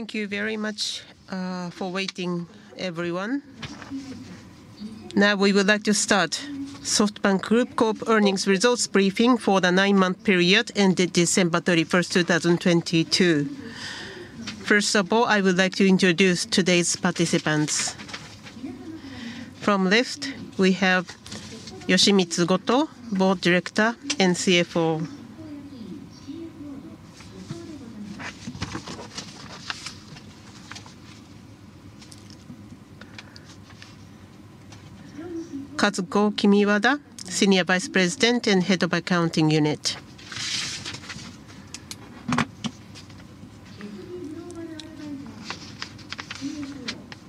Thank you very much for waiting, everyone. We would like to start SoftBank Group Corp earnings results briefing for the nine-month period ended December 31st, 2022. First of all, I would like to introduce today's participants. From left, we have Yoshimitsu Goto, Board Director and CFO. Kazuko Kimiwada, Senior Vice President and Head of Accounting Unit.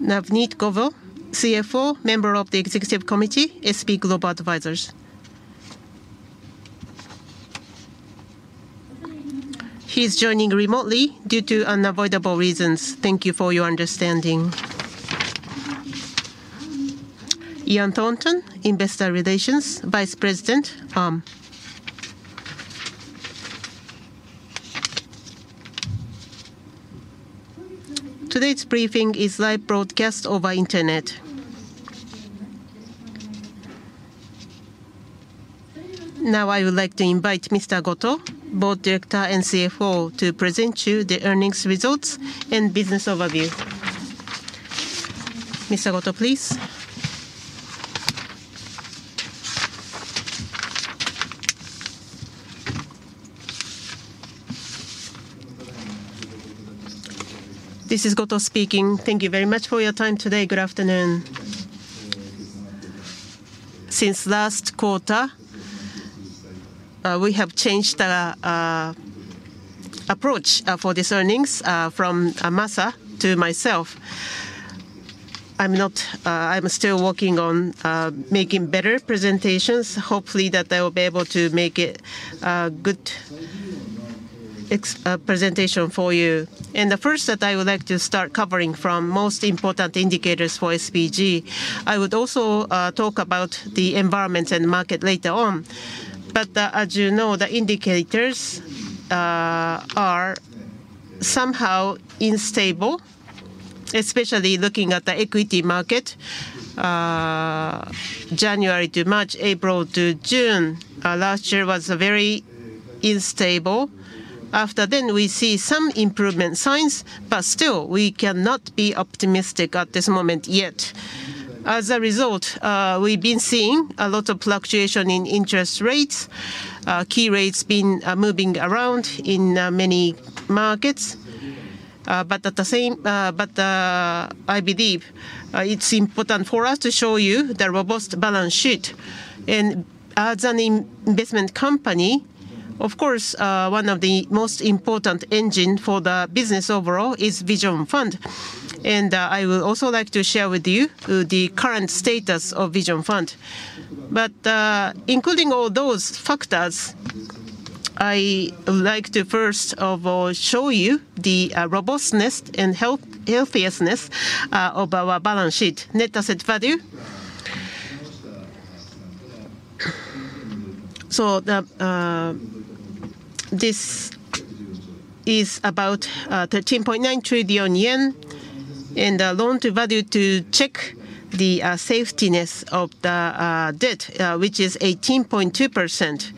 Navneet Govil, CFO, Member of the Executive Committee, SB Global Advisers. He's joining remotely due to unavoidable reasons. Thank you for your understanding. Ian Thornton, Investor Relations Vice President, Arm. Today's briefing is live broadcast over internet. I would like to invite Mr. Goto, Board Director and CFO, to present you the earnings results and business overview. Mr. Goto, please. This is Goto speaking. Thank you very much for your time today. Good afternoon. Since last quarter, we have changed approach for these earnings from Masa to myself. I'm not, I'm still working on making better presentations, hopefully that I will be able to make it a good presentation for you. The first that I would like to start covering from most important indicators for SBG. I would also talk about the environment and market later on. As you know, the indicators are somehow unstable, especially looking at the equity market. January to March, April to June last year was very unstable. After then we see some improvement signs, but still, we cannot be optimistic at this moment yet. As a result, we've been seeing a lot of fluctuation in interest rates. Key rates been moving around in many markets. But at the same, but I believe it's important for us to show you the robust balance sheet. As an in-investment company, of course, one of the most important engines for the business overall is Vision Fund. I would also like to share with you the current status of Vision Fund. Including all those factors, I like to first of all show you the robustness and healthiestness of our balance sheet. Net asset value. This is about 13.9 trillion yen. The loan to value to check the safetiness of the debt, which is 18.2%.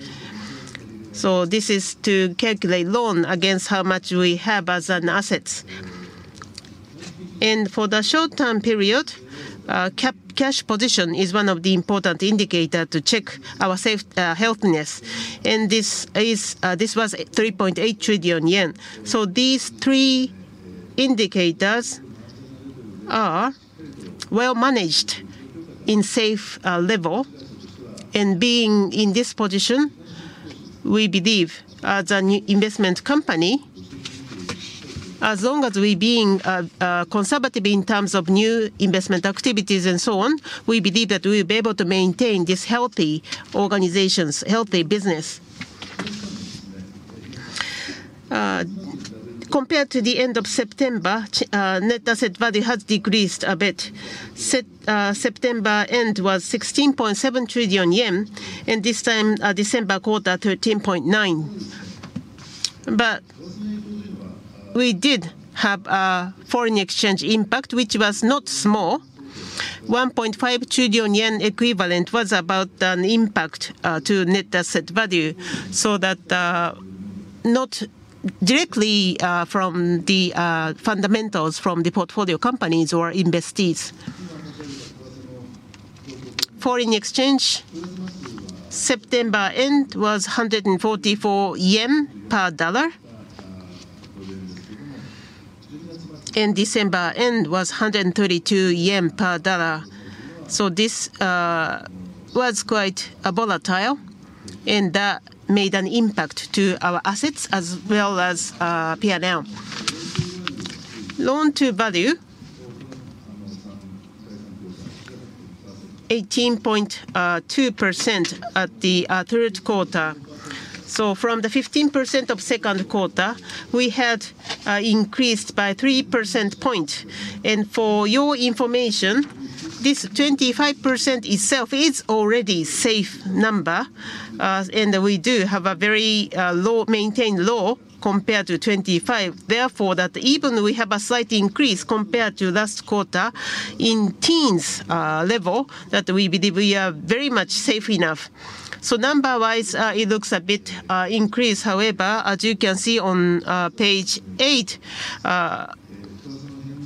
This is to calculate loan against how much we have as an assets. For the short-term period, cash position is one of the important indicator to check our healthiness. This was 3.8 trillion yen. These three indicators are well managed in safe level. Being in this position, we believe as an investment company, as long as we're being conservative in terms of new investment activities and so on, we believe that we'll be able to maintain this healthy organizations, healthy business. Compared to the end of September, net asset value has decreased a bit. September end was 16.7 trillion yen, this time December quarter, 13.9 trillion. We did have a foreign exchange impact, which was not small. 1.5 trillion yen equivalent was about an impact to net asset value, so that not directly from the fundamentals from the portfolio companies or investees. Foreign exchange, September end was 144 yen per dollar. December end was 132 yen per dollar. This was quite volatile, and that made an impact to our assets as well as P&L. Loan to value. 18.2% at the third quarter. From the 15% of second quarter, we had increased by 3% point. For your information this 25% itself is already safe number, and we do have a very maintained low compared to 25. Even we have a slight increase compared to last quarter in teens level, that we believe we are very much safe enough. Number-wise, it looks a bit increased. However, as you can see on page eight,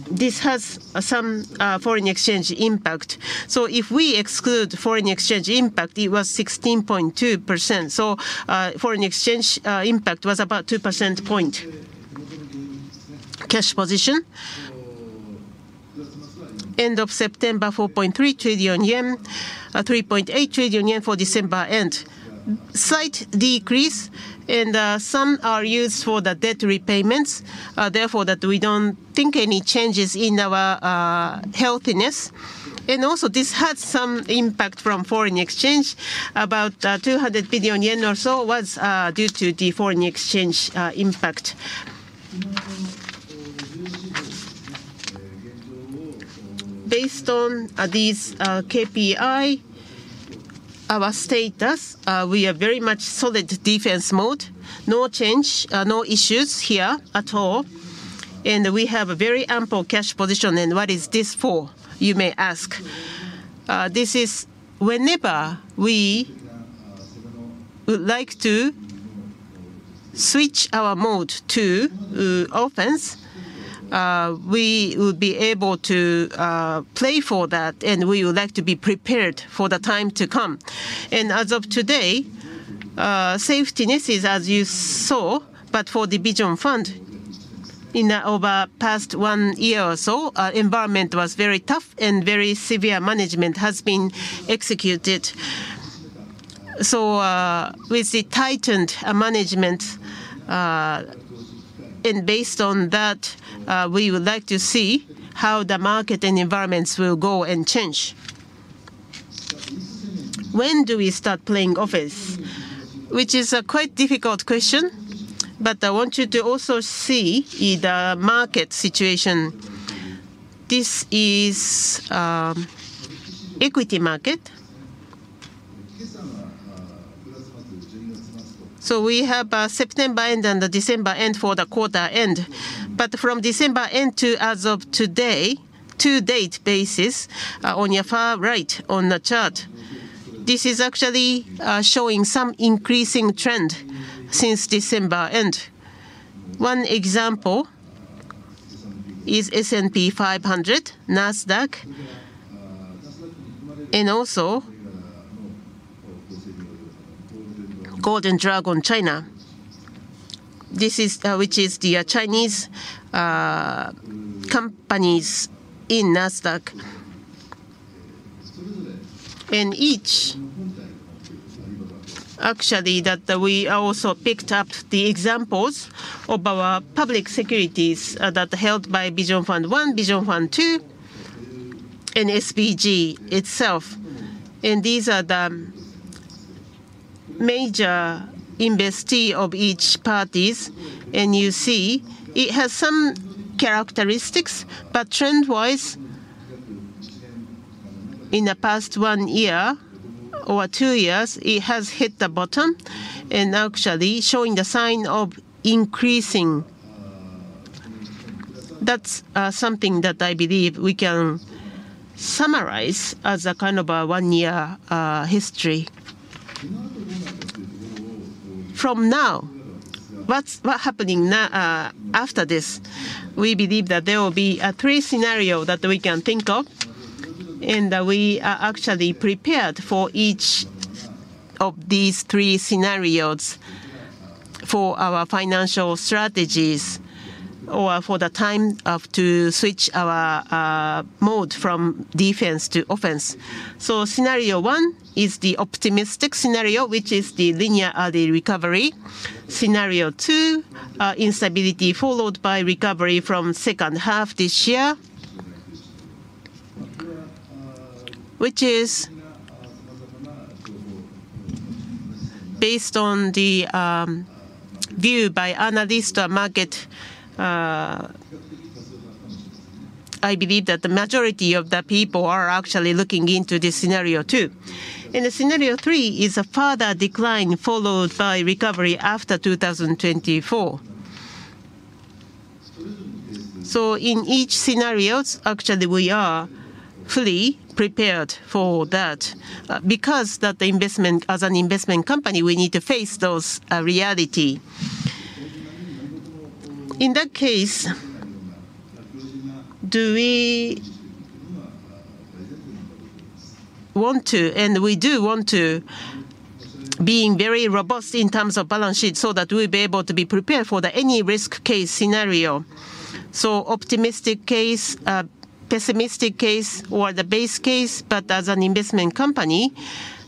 this has some foreign exchange impact. If we exclude foreign exchange impact, it was 16.2%. Foreign exchange impact was about 2% point. Cash position, end of September, 4.3 trillion yen, 3.8 trillion yen for December end. Slight decrease, some are used for the debt repayments, therefore, that we don't think any changes in our healthiness. Also this has some impact from foreign exchange. About 200 billion yen or so was due to the foreign exchange impact. Based on these KPI, our status, we are very much solid defense mode. No change, no issues here at all. We have a very ample cash position. What is this for, you may ask. This is whenever we would like to switch our mode to offense, we would be able to play for that and we would like to be prepared for the time to come. As of today, safetiness is as you saw, but for the Vision Fund, in over past one year or so, environment was very tough and very severe management has been executed. With the tightened management, and based on that, we would like to see how the market and environments will go and change. When do we start playing offense? Which is a quite difficult question, but I want you to also see the market situation. This is equity market. We have September end and the December end for the quarter end. From December end to as of today, to date basis, on your far right on the chart. This is actually showing some increasing trend since December end. One example is S&P 500, NASDAQ, and also Golden Dragon China. This is which is the Chinese companies in NASDAQ. Each actually that we also picked up the examples of our public securities that are held by Vision Fund 1, Vision Fund 2, and SBG itself. These are the major investee of each party. You see it has some characteristics, trend wise in the past one year or two years, it has hit the bottom and actually showing the sign of increasing. That's something that I believe we can summarize as a kind of a one-year history. From now, what's happening now after this? We believe that there will be three scenario that we can think of, and we are actually prepared for each of these three scenarios for our financial strategies or for the time of to switch our mode from defense to offense. Scenario one is the optimistic scenario, which is the linear recovery. Scenario two, instability followed by recovery from second half this year. Which is based on the view by analyst or market, I believe that the majority of the people are actually looking into this scenario two. The scenario three is a further decline followed by recovery after 2024. In each scenarios, actually we are fully prepared for that. Because as an investment company, we need to face those reality. In that case, do we want to, and we do want to being very robust in terms of balance sheet so that we'll be able to be prepared for the any risk case scenario. Optimistic case, pessimistic case, or the base case. As an investment company,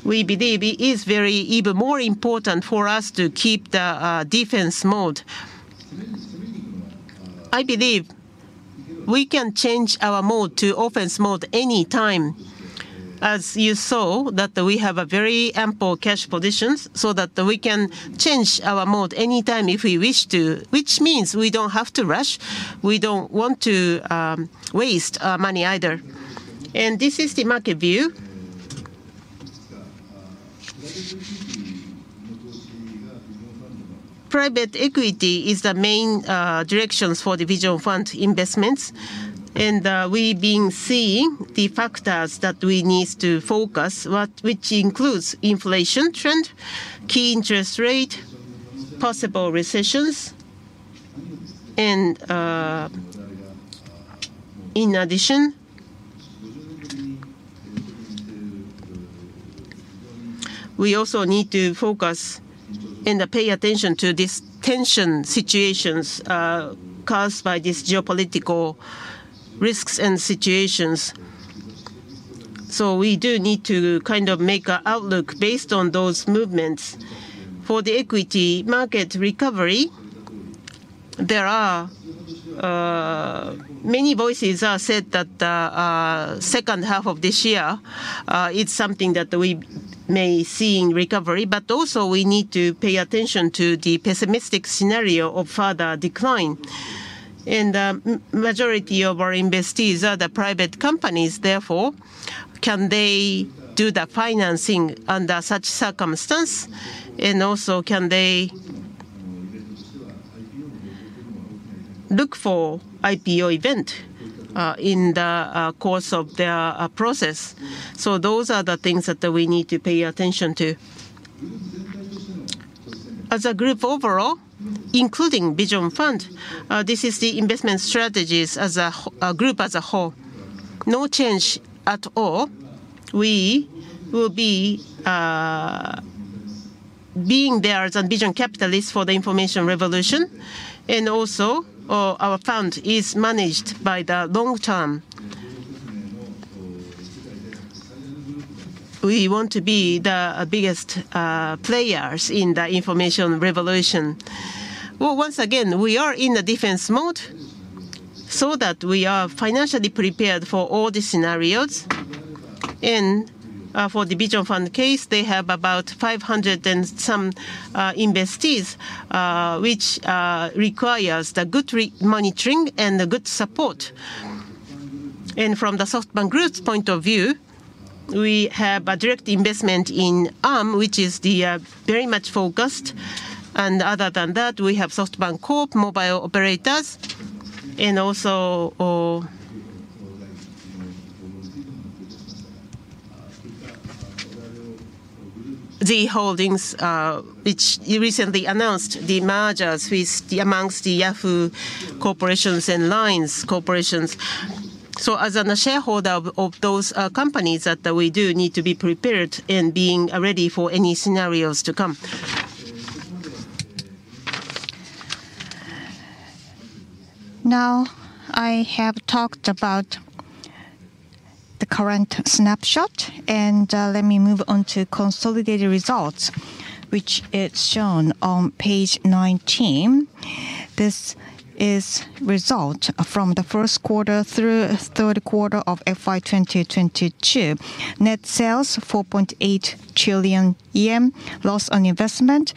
we believe it is very even more important for us to keep the defense mode. I believe we can change our mode to offense mode any time. As you saw that we have a very ample cash positions so that we can change our mode anytime if we wish to, which means we don't have to rush. We don't want to waste money either. This is the market view. Private equity is the main directions for the Vision Fund investments. We've been seeing the factors that we need to focus, which includes inflation trend, key interest rate, possible recessions. In addition, we also need to focus and pay attention to this tension situations caused by this geopolitical risks and situations. We do need to kind of make a outlook based on those movements. For the equity market recovery, there are many voices are said that second half of this year it's something that we may see in recovery, but also we need to pay attention to the pessimistic scenario of further decline. Majority of our investees are the private companies, therefore, can they do the financing under such circumstance? Also can they look for IPO event in the course of their process? Those are the things that we need to pay attention to. As a group overall, including Vision Fund, this is the investment strategies as a group as a whole. No change at all. We will be being there as a vision capitalist for the information revolution, and also our fund is managed by the long term. We want to be the biggest players in the information revolution. Well, once again, we are in a defense mode so that we are financially prepared for all the scenarios. For the Vision Fund case, they have about 500 and some investees, which requires the good re-monitoring and good support. From the SoftBank Group's point of view, we have a direct investment in Arm, which is the very much focused. Other than that, we have SoftBank Corp. mobile operators, and also the Z Holdings, which we recently announced the mergers with the, amongst the Yahoo Japan Corporation and LINE Corporation. As a shareholder of those companies that we do need to be prepared in being ready for any scenarios to come. I have talked about the current snapshot, and let me move on to consolidated results, which is shown on page 19. This is result from the first quarter through third quarter of FY 2022. Net sales, 4.8 trillion yen. Loss on investment,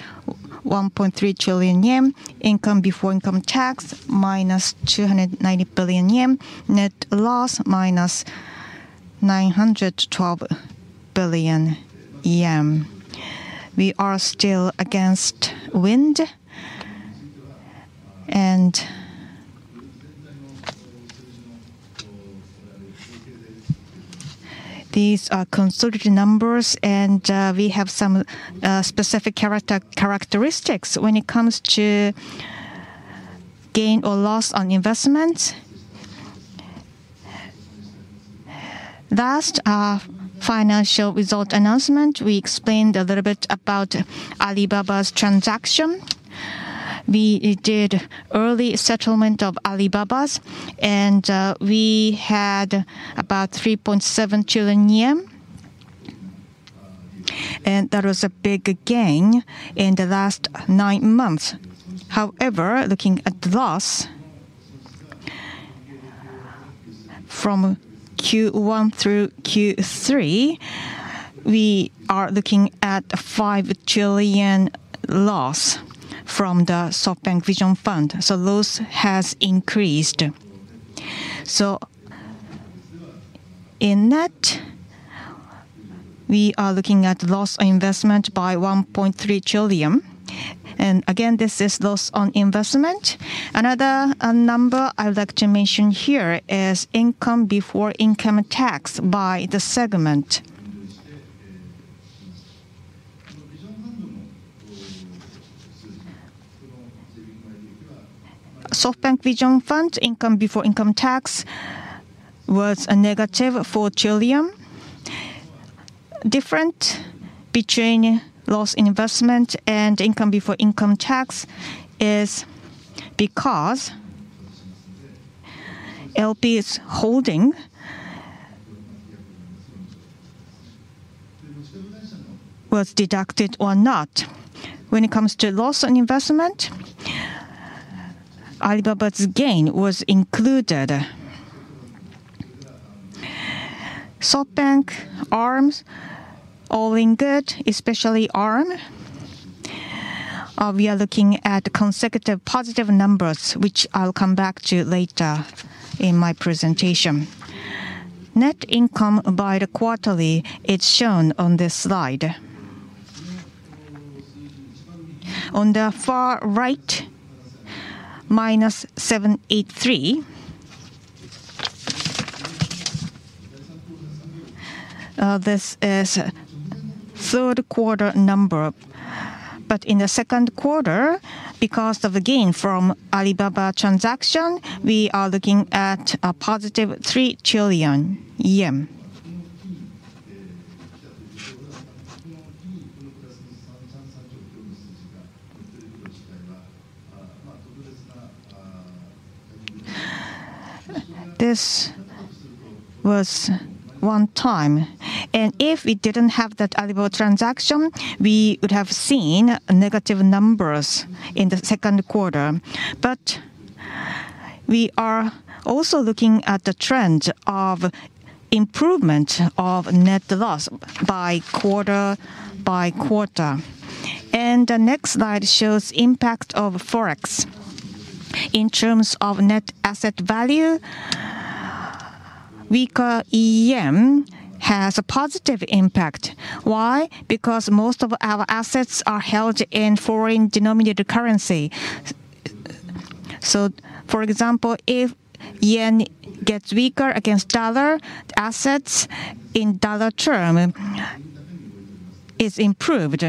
1.3 trillion yen. Income before income tax, -290 billion yen. Net loss, -912 billion yen. We are still against wind. These are consolidated numbers, and we have some specific characteristics when it comes to gain or loss on investment. Last financial result announcement, we explained a little bit about Alibaba's transaction. We did early settlement of Alibaba's, and we had about 3.7 trillion yen. That was a big gain in the last nine months. However, looking at loss, from Q1 through Q3, we are looking at a 5 trillion loss from the SoftBank Vision Fund. Loss has increased. In net, we are looking at loss on investment by 1.3 trillion. Again, this is loss on investment. Another number I'd like to mention here is income before income tax by the segment. SoftBank Vision Fund income before income tax was a JPY -4 trillion. Different between loss in investment and income before income tax is because LP's holding was deducted or not. When it comes to loss on investment, Alibaba's gain was included. SoftBank, Arm, all in good, especially Arm. We are looking at consecutive positive numbers, which I'll come back to later in my presentation. Net income by the quarterly, it's shown on this slide. On the far right, -783. This is third quarter number. In the second quarter, because of the gain from Alibaba transaction, we are looking at a +3 trillion yen. This was one time, and if we didn't have that Alibaba transaction, we would have seen negative numbers in the second quarter. We are also looking at the trend of improvement of net loss by quarter by quarter. The next slide shows impact of Forex. In terms of net asset value, weaker yen has a positive impact. Why? Because most of our assets are held in foreign denominated currency. So for example, if yen gets weaker against USD, assets in USD term is improved.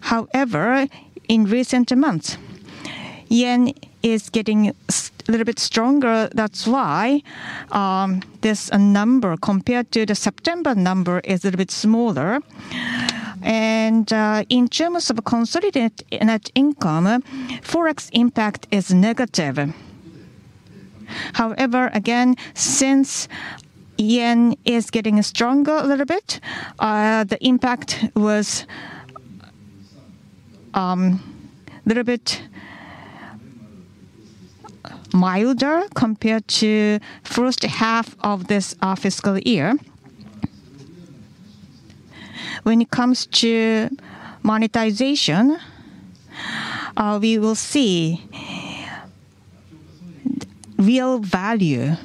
However, in recent months, yen is getting a little bit stronger. That's why this number compared to the September number is a little bit smaller. In terms of consolidated net income, Forex impact is negative. Again, since yen is getting stronger a little bit, the impact was little bit milder compared to first half of this fiscal year. When it comes to monetization, we will see real value.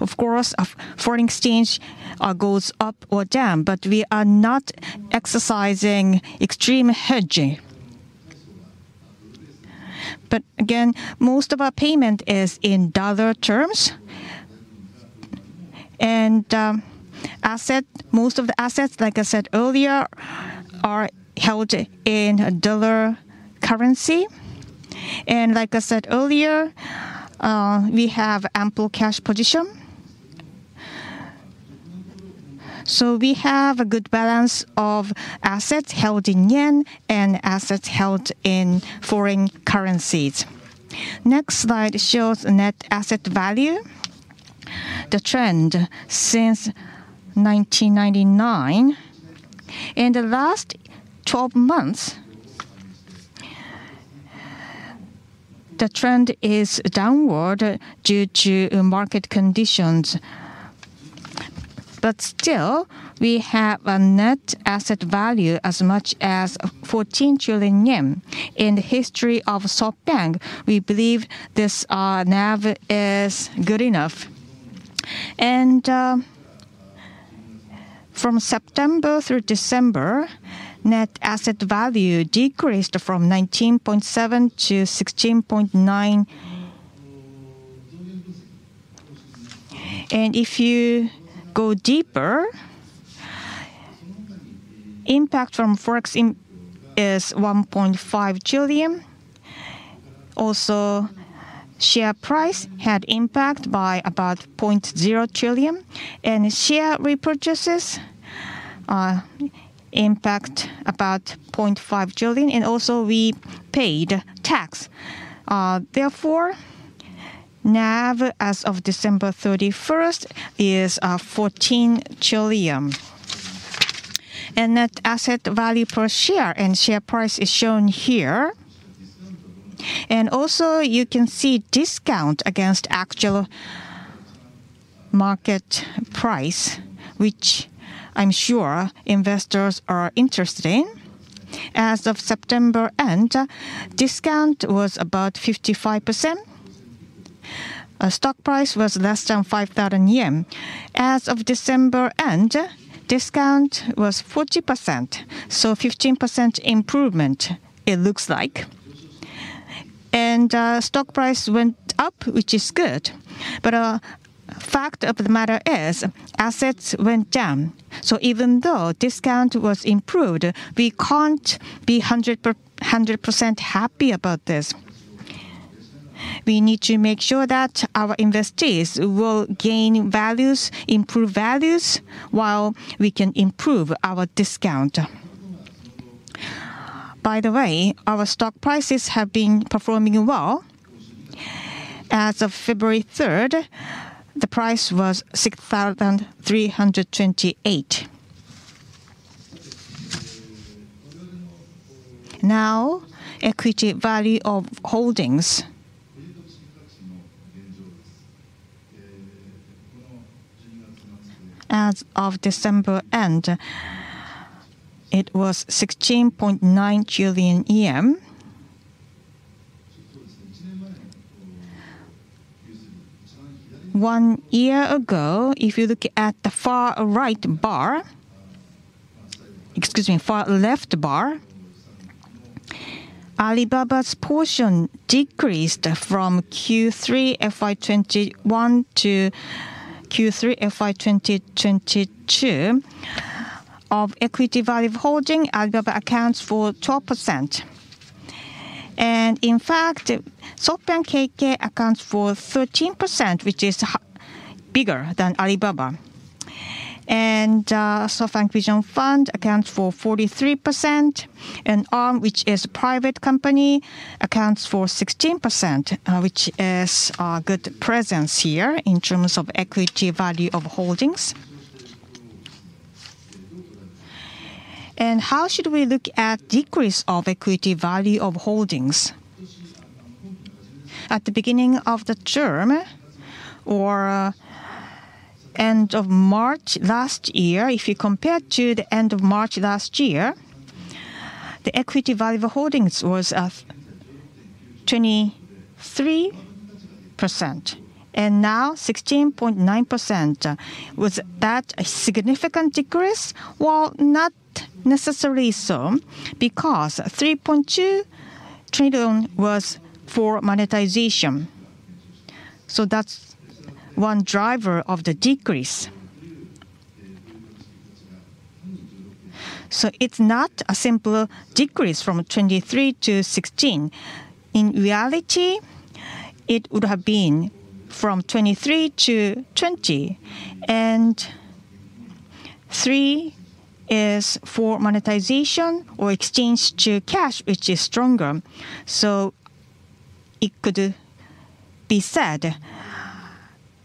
Of course, foreign exchange goes up or down, we are not exercising extreme hedging. Again, most of our payment is in dollar terms. Most of the assets, like I said earlier, are held in a dollar currency. Like I said earlier, we have ample cash position. We have a good balance of assets held in yen and assets held in foreign currencies. Next slide shows net asset value. The trend since 1999. In the last 12 months, the trend is downward due to market conditions. Still, we have a net asset value as much as 14 trillion yen. In the history of SoftBank, we believe this NAV is good enough. From September through December, net asset value decreased from 19.7 trillion-16.9 trillion. If you go deeper, impact from Forex is 1.5 trillion. Also, share price had impact by about 0 trillion. Share repurchases impact about 0.5 trillion, and also we paid tax. Therefore, NAV as of December 31st is 14 trillion. Net asset value per share and share price is shown here. Also you can see discount against actual market price, which I'm sure investors are interested in. As of September end, discount was about 55%. Stock price was less than 5,000 yen. As of December end, discount was 40%, so 15% improvement it looks like. Stock price went up, which is good. Fact of the matter is, assets went down. Even though discount was improved, we can't be 100% happy about this. We need to make sure that our investees will gain values, improve values, while we can improve our discount. By the way, our stock prices have been performing well. As of February 3rd, the price was 6,328. Now, equity value of holdings. As of December end, it was JPY 16.9 trillion. One year ago, if you look at the far-right bar, excuse me, far left bar, Alibaba's portion decreased from Q3 FY 2021-Q3 FY 2022. Of equity value of holding, Alibaba accounts for 12%. In fact, SoftBank Corp. accounts for 13%, which is bigger than Alibaba. SoftBank Vision Fund accounts for 43%, and Arm, which is a private company, accounts for 16%, which is a good presence here in terms of equity value of holdings. How should we look at decrease of equity value of holdings? At the beginning of the term or end of March last year, if you compare to the end of March last year, the equity value of holdings was 23%, and now 16.9%. Was that a significant decrease? Well, not necessarily so, because 3.2 trillion was for monetization. That's one driver of the decrease. It's not a simple decrease from 23-16. In reality, it would have been from 23 to 20, and 3 is for monetization or exchange to cash, which is stronger. It could be said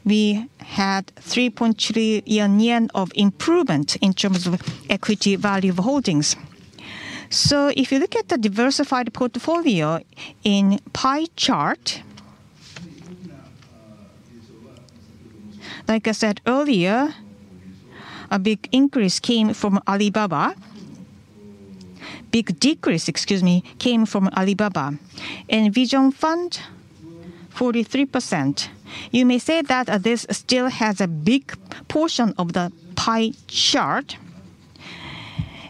we had 3.3 yen of improvement in terms of equity value of holdings. If you look at the diversified portfolio in pie chart, like I said earlier, a big increase came from Alibaba. Big decrease, excuse me, came from Alibaba. In Vision Fund, 43%. You may say that this still has a big portion of the pie chart,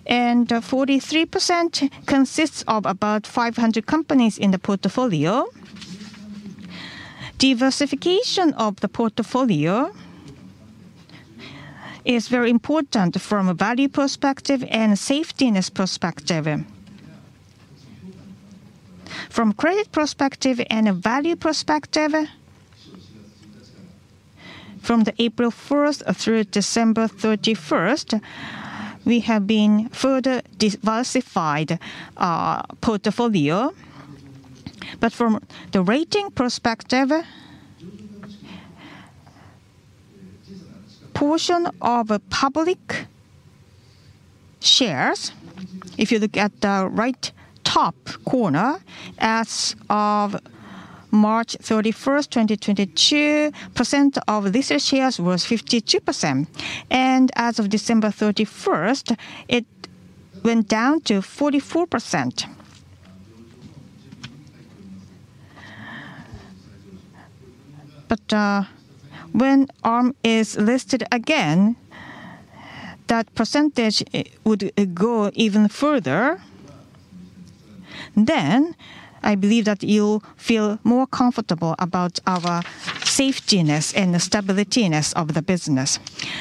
and 43% consists of about 500 companies in the portfolio. Diversification of the portfolio is very important from a value perspective and a safetiness perspective. From credit perspective and a value perspective, from the April 1st through December 31st, we have been further diversified portfolio. From the rating perspective, portion of public shares, if you look at the right top corner, as of March 31st, 2022, percent of listed shares was 52%. As of December 31st, it went down to 44%. When Arm is listed again, that percentage, it would go even further. I believe that you'll feel more comfortable about our safetiness and stabilitiness of the business.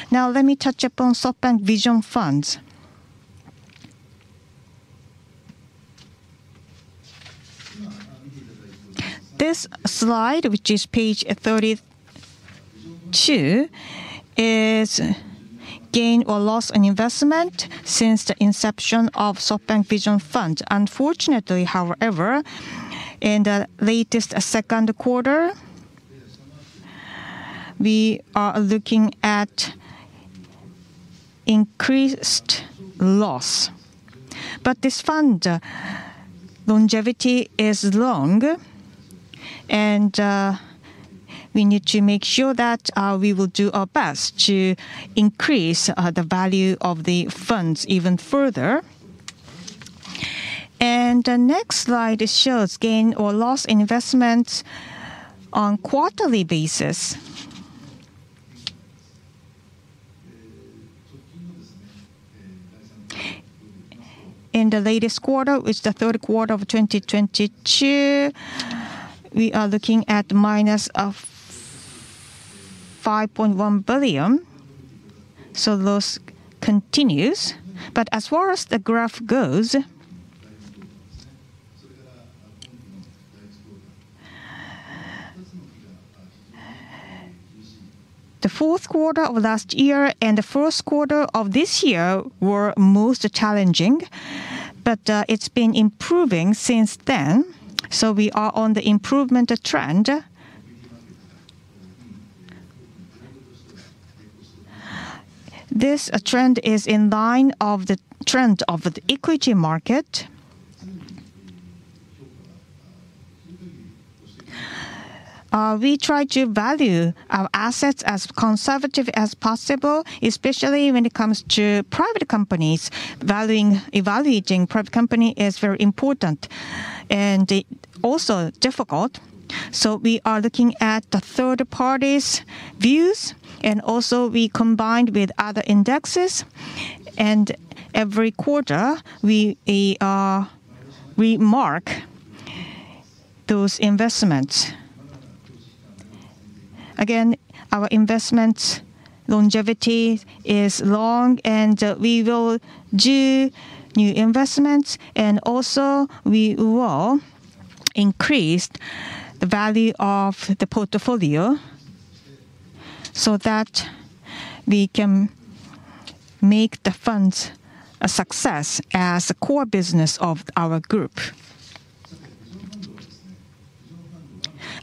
Now let me touch upon SoftBank Vision Funds. This slide, which is page 32, is gain or loss on investment since the inception of SoftBank Vision Fund. Unfortunately, however, in the latest second quarter, we are looking at increased loss. This fund, longevity is long and, we need to make sure that, we will do our best to increase the value of the funds even further. The next slide shows gain or loss in investments on quarterly basis. In the latest quarter, which is the third quarter of 2022, we are looking at minus of 5.1 billion. Loss continues. As far as the graph goes, the fourth quarter of last year and the first quarter of this year were most challenging, it's been improving since then, so we are on the improvement trend. This trend is in line of the trend of the equity market. We try to value our assets as conservative as possible, especially when it comes to private companies. Evaluating private company is very important and also difficult. We are looking at the third party's views and also we combined with other indexes and every quarter we mark those investments. Again, our investment longevity is long and we will do new investments and also we will increase the value of the portfolio so that we can make the funds a success as a core business of our Group.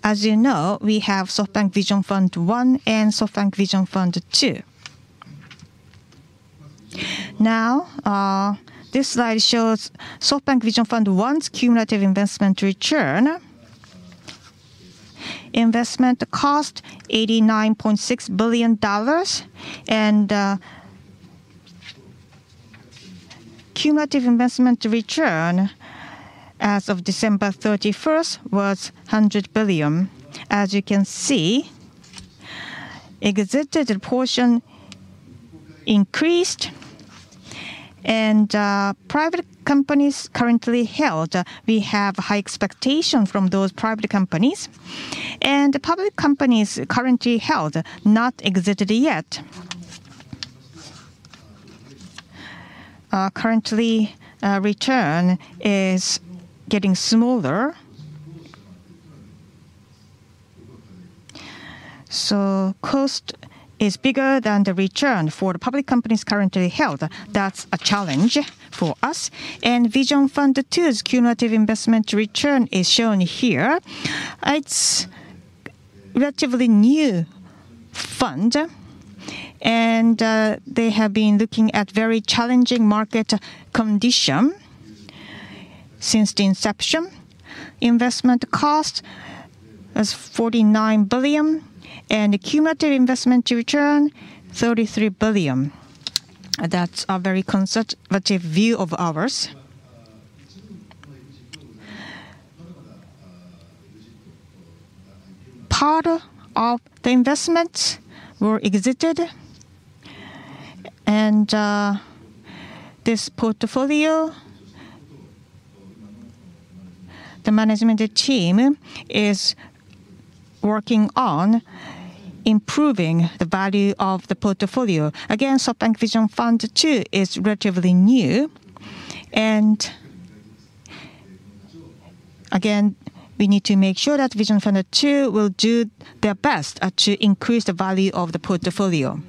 As you know, we have SoftBank Vision Fund 1 and SoftBank Vision Fund 2. This slide shows SoftBank Vision Fund 1's cumulative investment return. Investment cost, $89.6 billion. Cumulative investment return as of December 31st was $100 billion. As you can see, exited portion increased, private companies currently held, we have high expectation from those private companies. The public companies currently held not exited yet. Currently, return is getting smaller. Cost is bigger than the return for the public companies currently held. That's a challenge for us. Vision Fund 2's cumulative investment return is shown here. It's relatively new fund, they have been looking at very challenging market condition since the inception. Investment cost was $49 billion and cumulative investment return, $33 billion. That's a very conservative view of ours. Part of the investments were exited and this portfolio, the management team is working on improving the value of the portfolio. Again, SoftBank Vision Fund 2 is relatively new and again, we need to make sure that Vision Fund 2 will do their best to increase the value of the portfolio.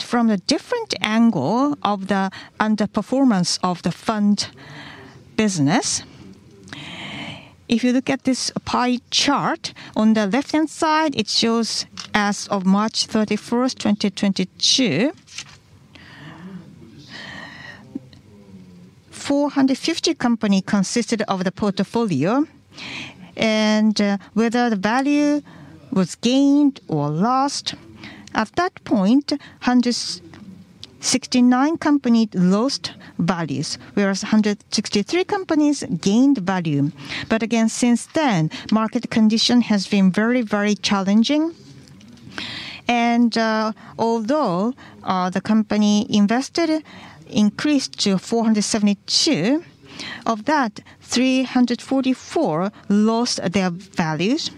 From a different angle of the underperformance of the fund business, if you look at this pie chart, on the left-hand side it shows as of March 31, 2022, 450 company consisted of the portfolio, and whether the value was gained or lost. At that point, 169 company lost values, whereas 163 companies gained value. Again, since then, market condition has been very, very challenging. Although the company invested increased to 472, of that, 344 lost their values.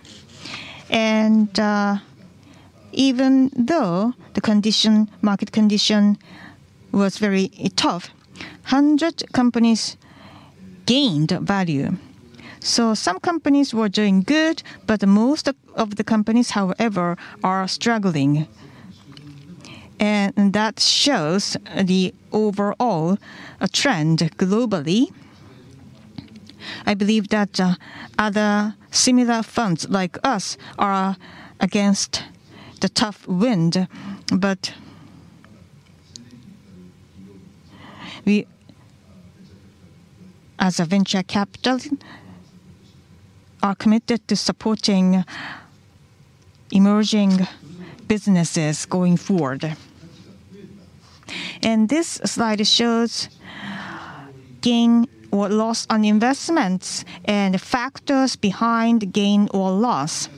Even though the condition, market condition was very tough, 100 companies gained value. Some companies were doing good, but most of the companies, however, are struggling. That shows the overall trend globally. I believe that other similar funds like us are against the tough wind. We as a venture capital are committed to supporting emerging businesses going forward. This slide shows gain or loss on investments and factors behind gain or loss.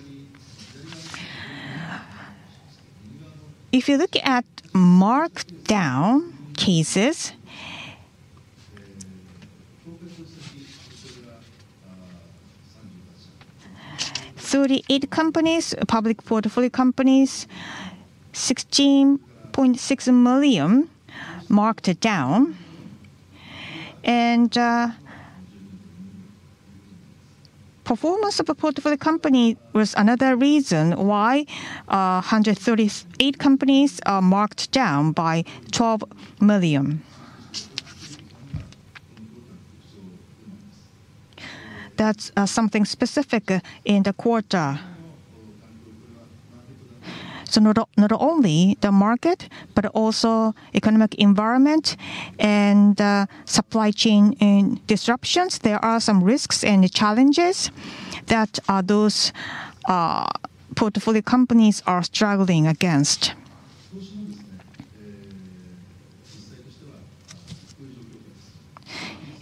If you look at marked down cases, 38 companies, public portfolio companies, 16.6 million marked down. Performance of a portfolio company was another reason why 138 companies are marked down by 12 million. That's something specific in the quarter. Not only the market, but also economic environment and supply chain and disruptions. There are some risks and challenges that those portfolio companies are struggling against.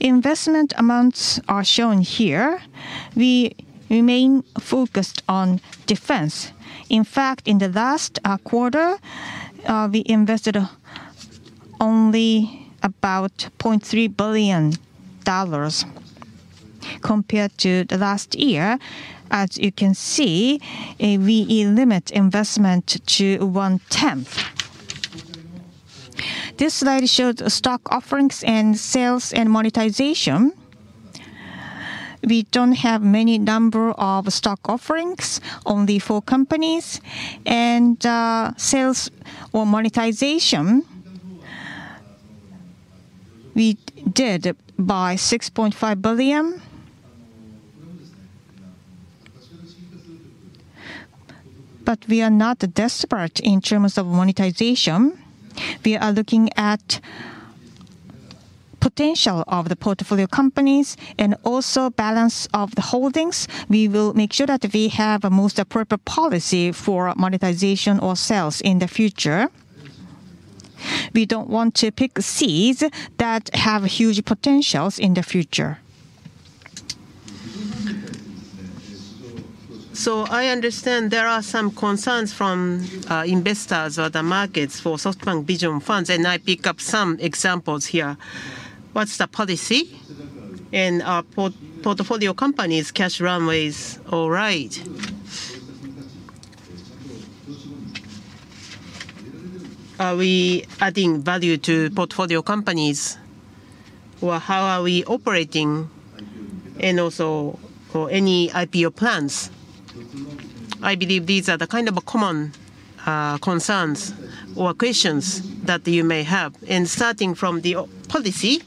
Investment amounts are shown here. We remain focused on defense. In fact, in the last quarter, we invested only about $0.3 billion compared to the last year. As you can see, we limit investment to 1/10. This slide shows stock offerings and sales and monetization. We don't have many number of stock offerings, only four companies. Sales or monetization, we did by $6.5 billion. We are not desperate in terms of monetization. We are looking at potential of the portfolio companies and also balance of the holdings. We will make sure that we have a most appropriate policy for monetization or sales in the future. We don't want to pick seeds that have huge potentials in the future. I understand there are some concerns from investors or the markets for SoftBank Vision Funds, and I pick up some examples here. What's the policy in our portfolio companies' cash runways or right? Are we adding value to portfolio companies, or how are we operating and also for any IPO plans? I believe these are the kind of common concerns or questions that you may have. Starting from the policy,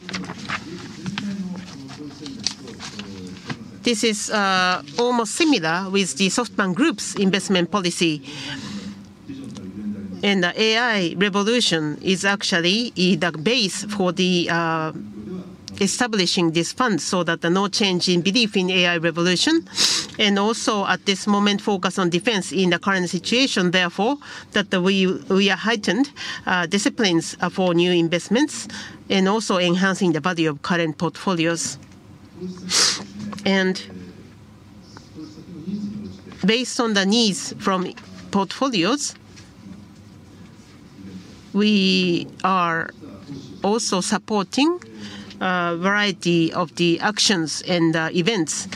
this is almost similar with the SoftBank Group's investment policy. The AI revolution is actually the base for the establishing this fund so that no change in belief in AI revolution. Also, at this moment, focus on defense in the current situation, therefore, that we are heightened disciplines for new investments and also enhancing the value of current portfolios. Based on the needs from portfolios, we are also supporting a variety of the actions and events,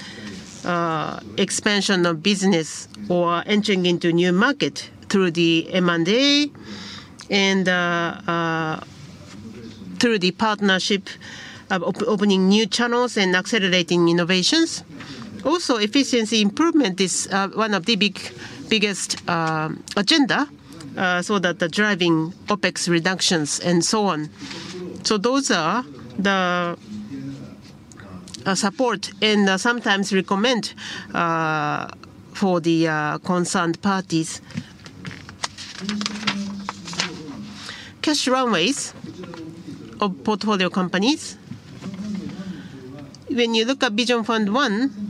expansion of business or entering into new market through the M&A and through the partnership of opening new channels and accelerating innovations. Also, efficiency improvement is one of the biggest agenda so that the driving OpEx reductions and so on. Those are the support and sometimes recommend for the concerned parties. Cash runways of portfolio companies. When you look at Vision Fund 1,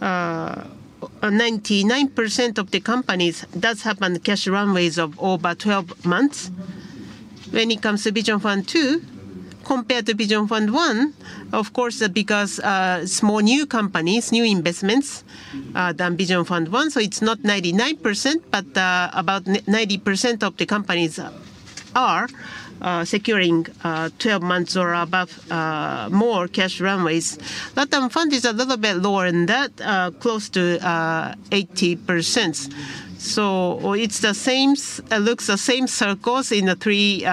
99% of the companies does have an cash runways of over 12 months. When it comes to Vision Fund 2, compared to Vision Fund 1, of course, because, small new companies, new investments, than Vision Fund 1, it's not 99%, but about 90% of the companies are securing 12 months or above, more cash runways. SoftBank Latin America Fund is a little bit lower than that, close to 80%. It looks the same circles in the three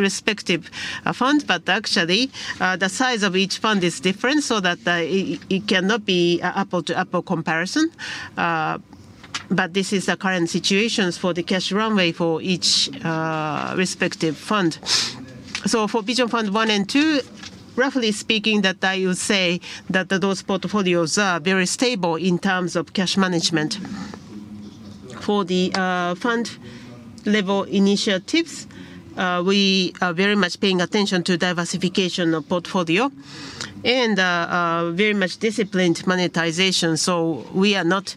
respective funds, but actually, the size of each fund is different so that it cannot be a apple-to-apple comparison. This is the current situations for the cash runway for each respective fund. For Vision Fund 1 and 2, roughly speaking that I would say that those portfolios are very stable in terms of cash management. For the fund-level initiatives, we are very much paying attention to diversification of portfolio and very much disciplined monetization. We are not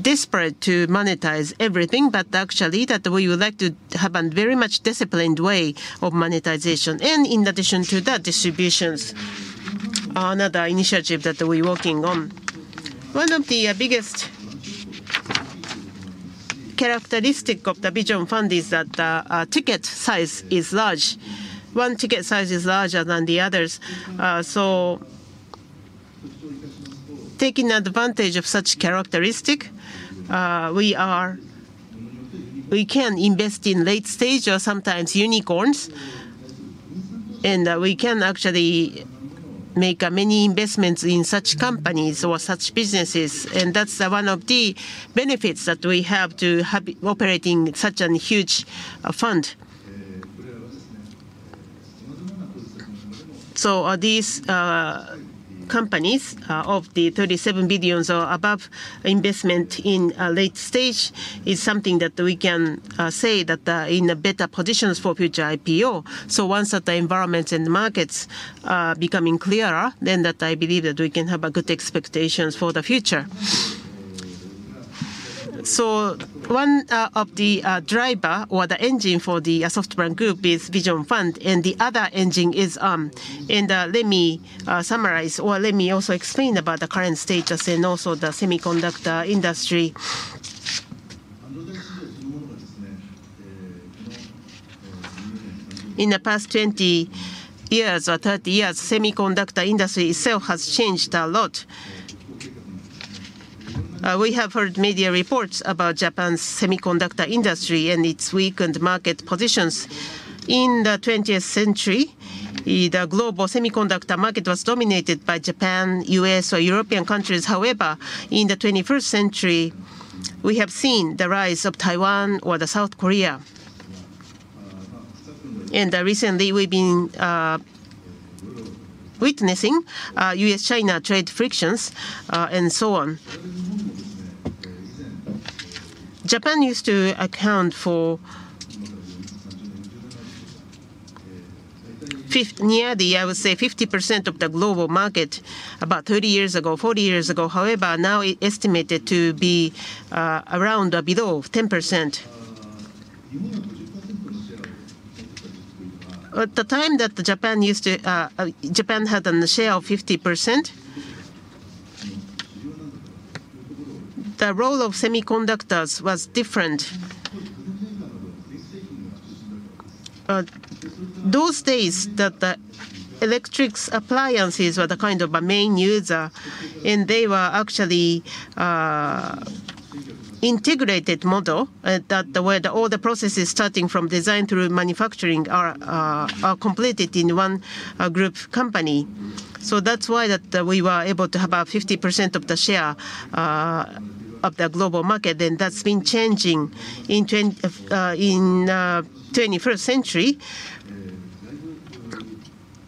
desperate to monetize everything, but actually that we would like to have a very much disciplined way of monetization. In addition to that, distributions are another initiative that we're working on. One of the biggest characteristic of the Vision Fund is that the ticket size is large. One ticket size is larger than the others. So taking advantage of such characteristic, We can invest in late stage or sometimes unicorns, and we can actually Make many investments in such companies or such businesses, and that's one of the benefits that we have to have operating such an huge fund. These companies of the 37 billions or above investment in late stage is something that we can say that are in a better positions for future IPO. Once that the environments and the markets are becoming clearer, I believe that we can have good expectations for the future. One of the driver or the engine for the SoftBank Group is Vision Fund, and the other engine is. Let me summarize or let me also explain about the current status and also the semiconductor industry. In the past 20 years or 30 years, semiconductor industry itself has changed a lot. We have heard media reports about Japan's semiconductor industry and its weakened market positions. In the 20th century, the global semiconductor market was dominated by Japan, U.S., or European countries. However, in the 21st century, we have seen the rise of Taiwan or the South Korea. Recently we've been witnessing U.S.-China trade frictions and so on. Japan used to account for nearly, I would say, 50% of the global market about 30 years ago, 40 years ago. However, now estimated to be around or below 10%. At the time that Japan used to, Japan had a share of 50%, the role of semiconductors was different. Those days the electrics appliances were the kind of a main user, and they were actually integrated model that where the all the processes starting from design through manufacturing are completed in one group company. That's why that we were able to have a 50% of the share of the global market, and that's been changing. In 21st century,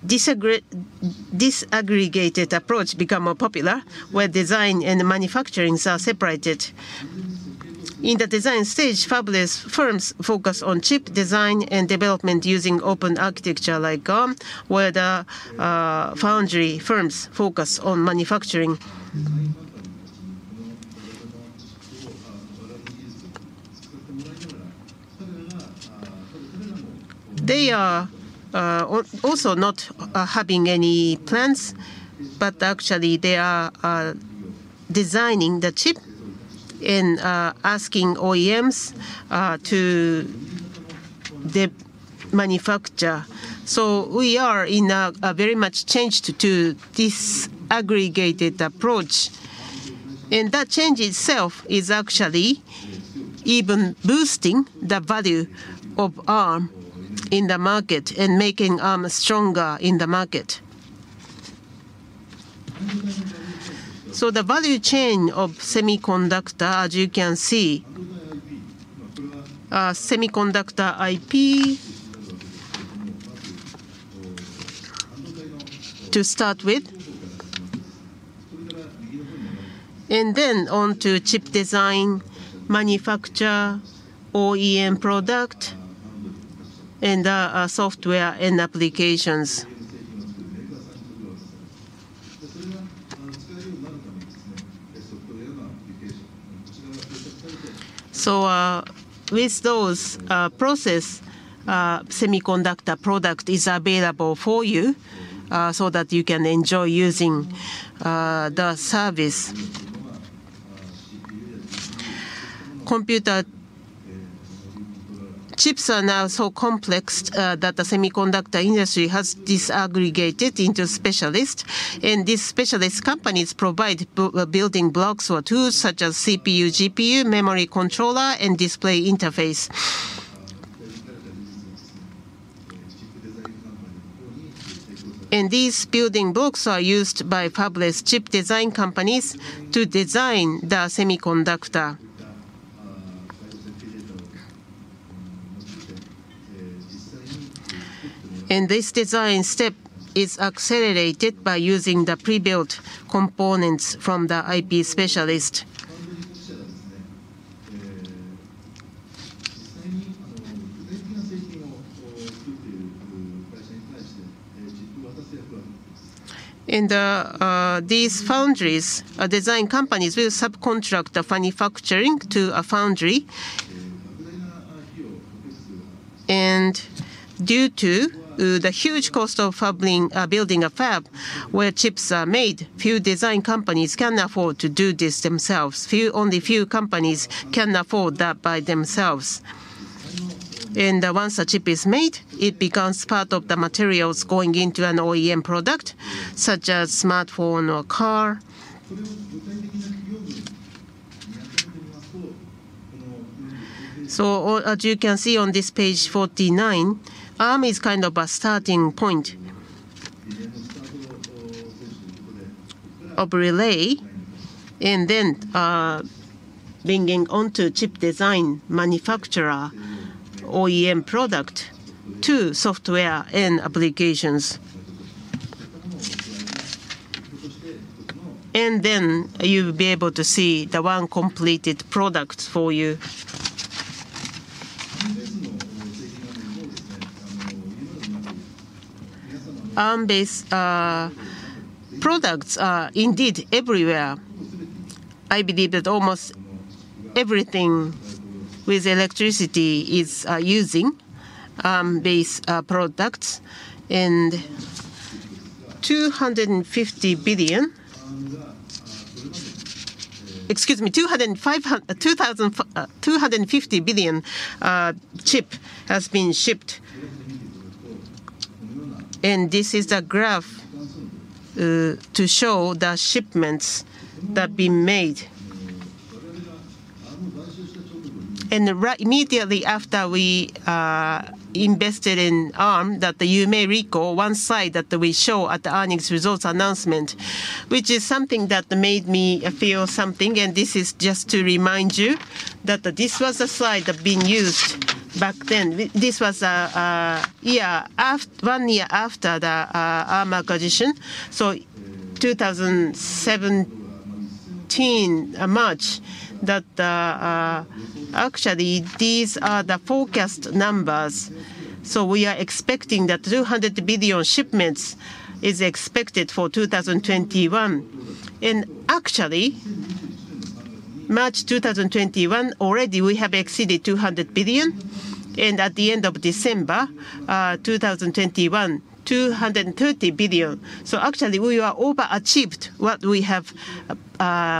disaggregated approach become more popular, where design and the manufacturing are separated. In the design stage, fabless firms focus on chip design and development using open architecture like Arm, where the foundry firms focus on manufacturing. They are also not having any plans, but actually they are designing the chip and asking OEMs to the manufacture. We are in a very much changed to disaggregated approach. That change itself is actually even boosting the value of Arm in the market and making Arm stronger in the market. The value chain of semiconductor, as you can see, are semiconductor IP to start with, and then on to chip design, manufacture, OEM product, and software and applications. With those process, semiconductor product is available for you so that you can enjoy using the service. Computer chips are now so complex that the semiconductor industry has disaggregated into specialists, and these specialist companies provide building blocks or tools such as CPU, GPU, memory controller, and display interface. These building blocks are used by fabless chip design companies to design the semiconductor. This design step is accelerated by using the pre-built components from the IP specialist. These foundries are design companies will subcontract the manufacturing to a foundry. Due to the huge cost of building a fab where chips are made, few design companies can afford to do this themselves. Only few companies can afford that by themselves. Once a chip is made, it becomes part of the materials going into an OEM product such as smartphone or car. As you can see on this page 49, Arm is kind of a starting point of relay and then bringing onto chip design manufacturer OEM product to software and applications. You'll be able to see the one completed product for you. Arm-based products are indeed everywhere. I believe that almost everything with electricity is using these products and 250 billion chip has been shipped. This is the graph to show the shipments that have been made. Right immediately after we invested in Arm that you may recall one slide that we show at the earnings results announcement, which is something that made me feel something, and this is just to remind you that this was a slide that been used back then. This was one year after the Arm acquisition, so 2017 March, that actually these are the forecast numbers. We are expecting that 200 billion shipments is expected for 2021. Actually, March 2021 already we have exceeded 200 billion and at the end of December 2021, 230 billion. Actually we are over achieved what we have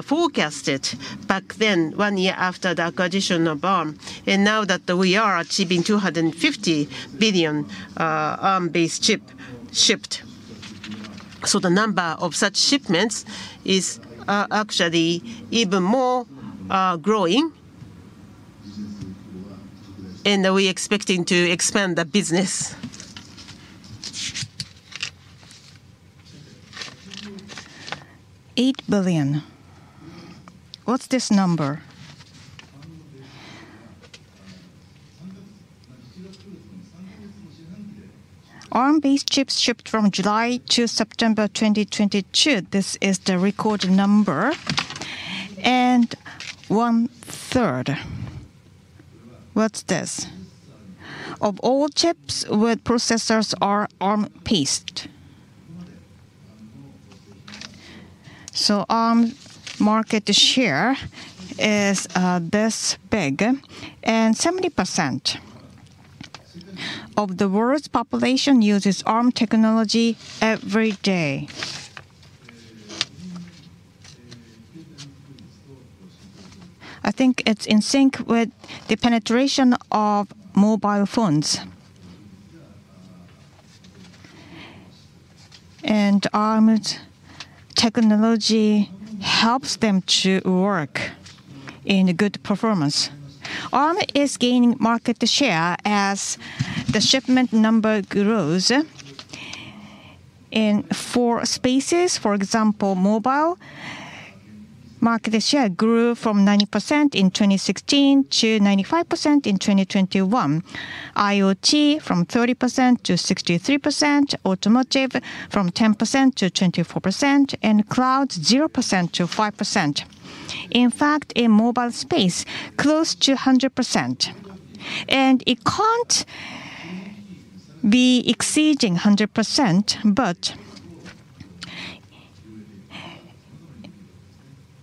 forecasted back then one year after the acquisition of Arm. Now that we are achieving 250 billion Arm-based chip shipped. The number of such shipments is actually even more growing, and we expecting to expand the business. 8 billion. What's this number? Arm-based chips shipped from July to September 2022. This is the recorded number. One third. What's this? Of all chips with processors are Arm-based. Arm market share is this big, and 70% of the world's population uses Arm technology every day. I think it's in sync with the penetration of mobile phones. Arm's technology helps them to work in good performance. Arm is gaining market share as the shipment number grows in four spaces. For example, mobile market share grew from 90% in 2016-95% in 2021. IoT from 30%-63%, automotive from 10%-24%, and cloud 0%-5%. In fact, in mobile space, close to 100%. It can't be exceeding 100%,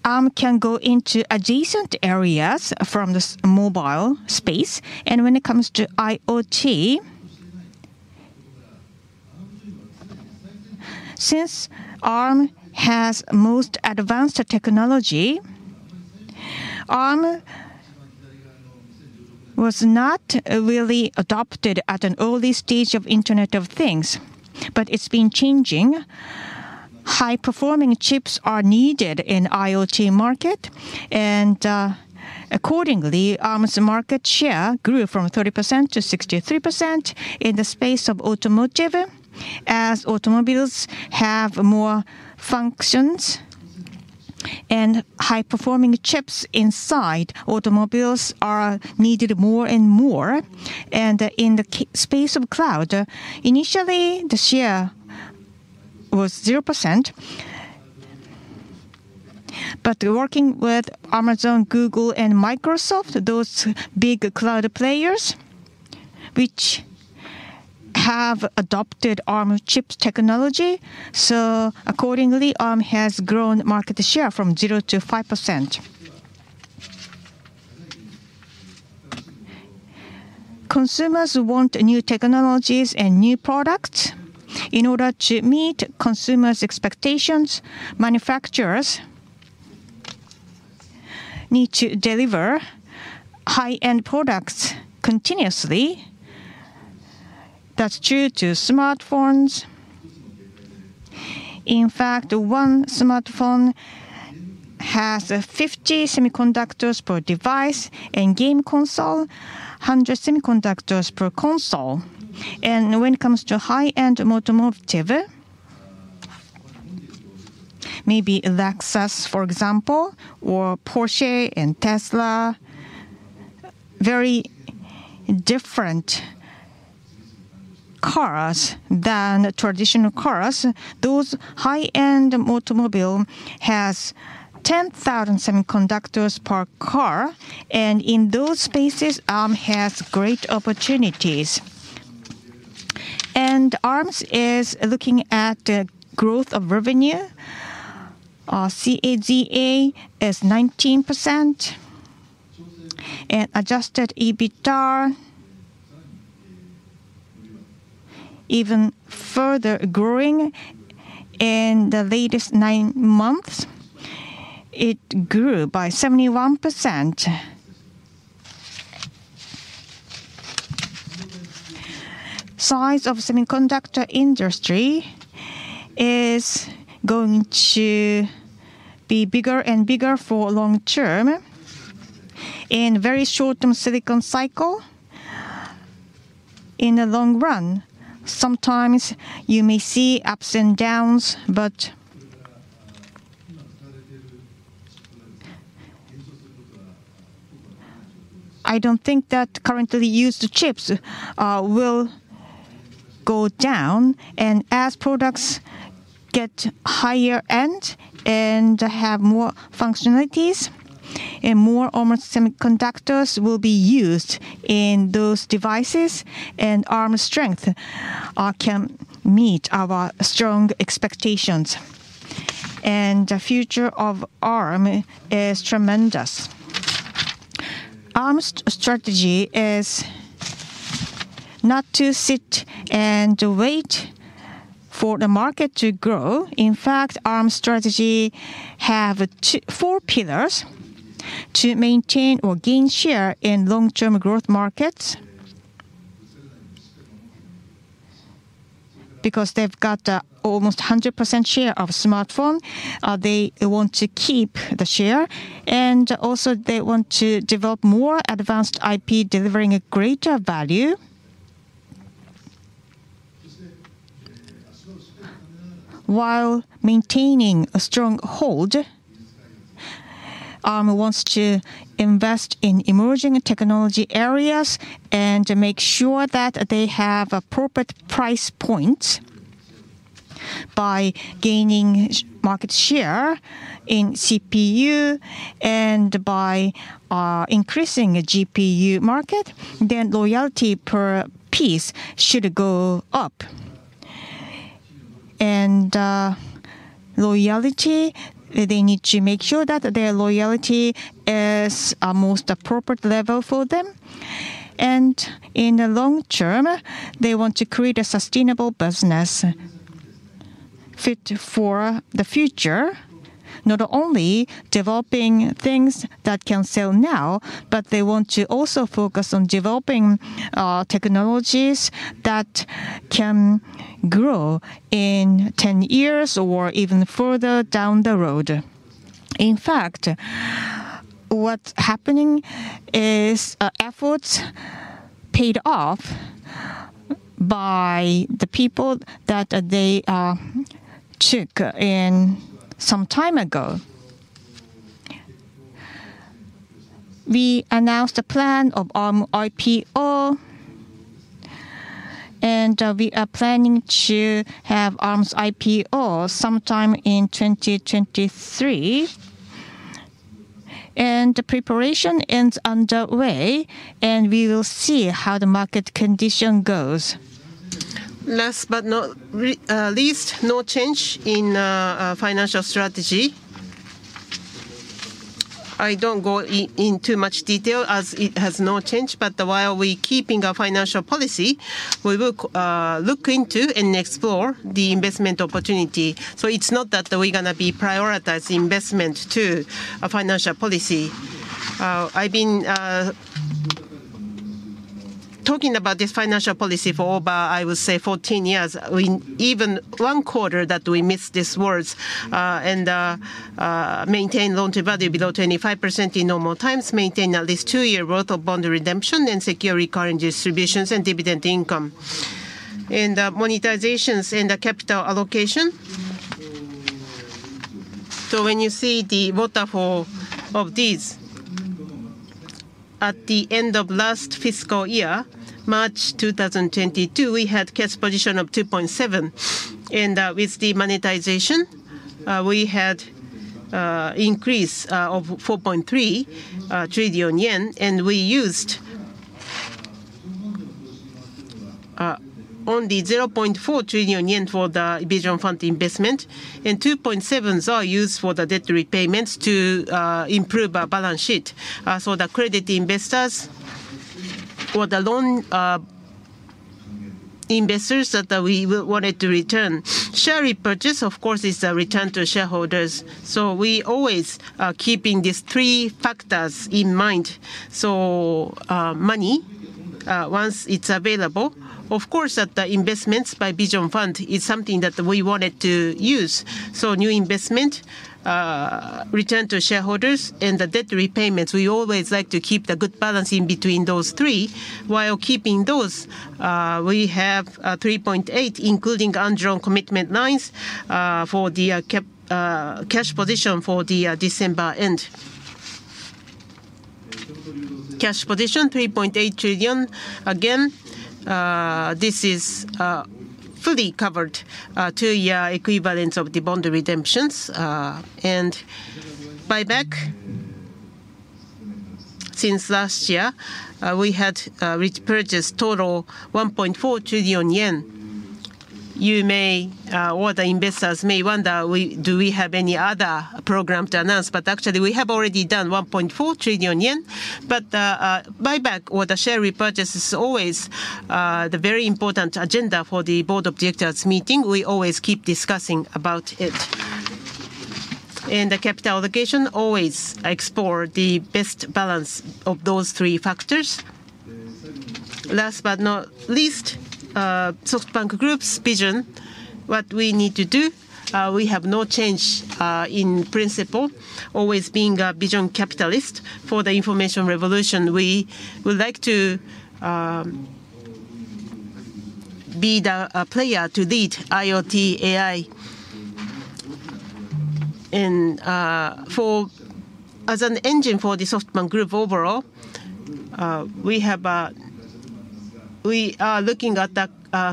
but Arm can go into adjacent areas from this mobile space. When it comes to IoT, since Arm has most advanced technology, Arm was not really adopted at an early stage of Internet of Things, but it's been changing. High-performing chips are needed in IoT market and accordingly, Arm's market share grew from 30%-63% in the space of automotive, as automobiles have more functions and high-performing chips inside automobiles are needed more and more. Space of cloud, initially the share was 0%. Working with Amazon, Google, and Microsoft, those big cloud players which have adopted Arm chips technology, accordingly, Arm has grown market share from 0%-5%. Consumers want new technologies and new products. In order to meet consumers' expectations, manufacturers need to deliver high-end products continuously. That's due to smartphones. In fact, one smartphone has 50 semiconductors per device and game console, 100 semiconductors per console. When it comes to high-end automotive, maybe Lexus, for example, or Porsche and Tesla, very different cars than traditional cars. Those high-end automobile has 10,000 semiconductors per car, in those spaces, Arm has great opportunities. Arm is looking at the growth of revenue. Our CAGR is 19%. Adjusted EBITDA even further growing. In the latest nine months it grew by 71%. Size of semiconductor industry is going to be bigger and bigger for long term. In very short-term silicon cycle, in the long run, sometimes you may see ups and downs, but I don't think that currently used chips will go down. As products get higher end and have more functionalities and more almost semiconductors will be used in those devices, and Arm's strength can meet our strong expectations. The future of Arm is tremendous. Arm's strategy is not to sit and wait for the market to grow. In fact, Arm's strategy have four pillars to maintain or gain share in long-term growth markets. Because they've got almost a 100% share of smartphone, they want to keep the share, and also they want to develop more advanced IP, delivering a greater value. While maintaining a strong hold, Arm wants to invest in emerging technology areas and to make sure that they have appropriate price points by gaining market share in CPU and by increasing a GPU market, then loyalty per piece should go up. Loyalty, they need to make sure that their loyalty is a most appropriate level for them. In the long term, they want to create a sustainable business fit for the future, not only developing things that can sell now, but they want to also focus on developing technologies that can grow in ten years or even further down the road. In fact, what's happening is efforts paid off by the people that they took in some time ago. We announced a plan of Arm IPO, and we are planning to have Arm's IPO sometime in 2023. The preparation is underway, and we will see how the market condition goes. Last but not least, no change in financial strategy. I don't go into much detail as it has no change, but while we keeping our financial policy, we will look into and explore the investment opportunity. It's not that we're gonna be prioritize investment to a financial policy. I've been talking about this financial policy for over, I would say 14 years. Even one quarter that we miss these words, and maintain loan to value below 25% in normal times, maintain at least two-year worth of bond redemption and secure recurring distributions and dividend income. In the monetizations and the capital allocation, when you see the waterfall of these, at the end of last fiscal year, March 2022, we had cash position of 2.7 trillion. With the monetization, we had increase of 4.3 trillion yen, and we used only 0.4 trillion yen for the Vision Fund investment. 2.7 trillion is our use for the debt repayments to improve our balance sheet, so the credit investors or the loan investors that we wanted to return. Share repurchase, of course, is a return to shareholders. We always are keeping these three factors in mind. Money, once it's available, of course, the investments by Vision Fund is something that we wanted to use. New investment, return to shareholders and the debt repayments, we always like to keep the good balance in between those three. While keeping those, we have 3.8, including undrawn commitment lines, for the cash position for the December end. Cash position 3.8 trillion. Again, this is fully covered to equivalence of the bond redemptions. Buyback since last year, we had repurchased total JPY 1.4 trillion. You may, or the investors may wonder do we have any other program to announce, actually we have already done 1.4 trillion yen. Buyback or the share repurchase is always the very important agenda for the board of directors meeting. We always keep discussing about it. In the capital allocation, always explore the best balance of those three factors. Last but not least, SoftBank Group's vision, what we need to do, we have no change in principle, always being a vision capitalist for the information revolution. We would like to be the player to lead IoT AI. As an engine for the SoftBank Group overall, we have we are looking at the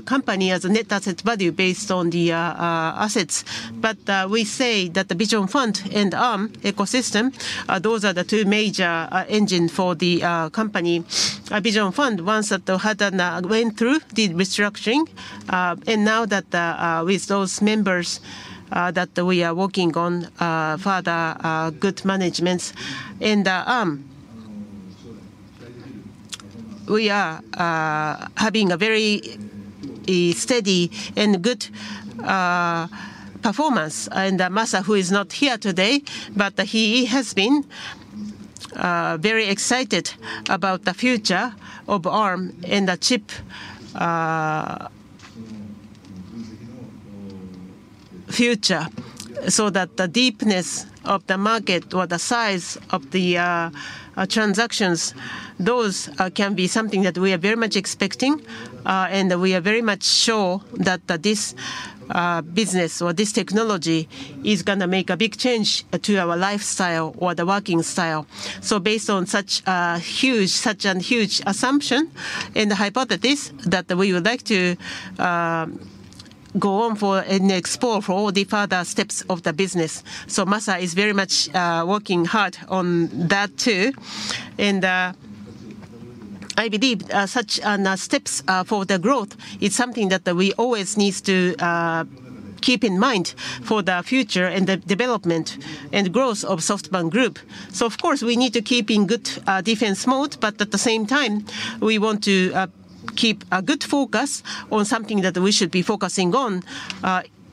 company as a net asset value based on the assets. We say that the Vision Fund and Arm ecosystem, those are the two major engine for the company, Vision Fund, ones that had went through the restructuring. Now that with those members that we are working on further good managements. We are having a very steady and good performance. Masa, who is not here today, but he has been very excited about the future of Arm and the chip future. That the deepness of the market or the size of the transactions, those can be something that we are very much expecting, and we are very much sure that this business or this technology is gonna make a big change to our lifestyle or the working style. Based on such huge, such an huge assumption and the hypothesis that we would like to go on for and explore for all the further steps of the business. Masa is very much working hard on that too. I believe such now steps for the growth is something that we always needs to keep in mind for the future and the development and growth of SoftBank Group. Of course we need to keep in good defense mode, but at the same time, we want to keep a good focus on something that we should be focusing on,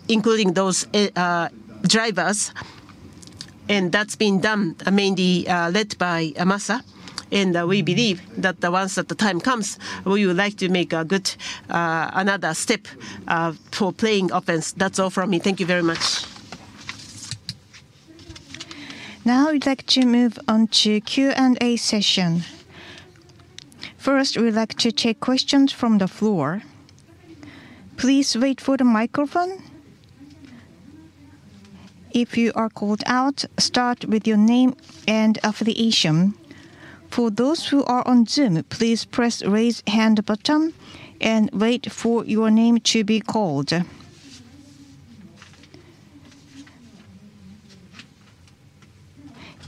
including those drivers, and that's been done mainly led by Masa. We believe that once the time comes, we would like to make a good another step for playing offense. That's all from me. Thank you very much. Now we'd like to move on to Q&A session. First, we would like to take questions from the floor. Please wait for the microphone. If you are called out, start with your name and affiliation. For those who are on Zoom, please press Raise Hand button and wait for your name to be called.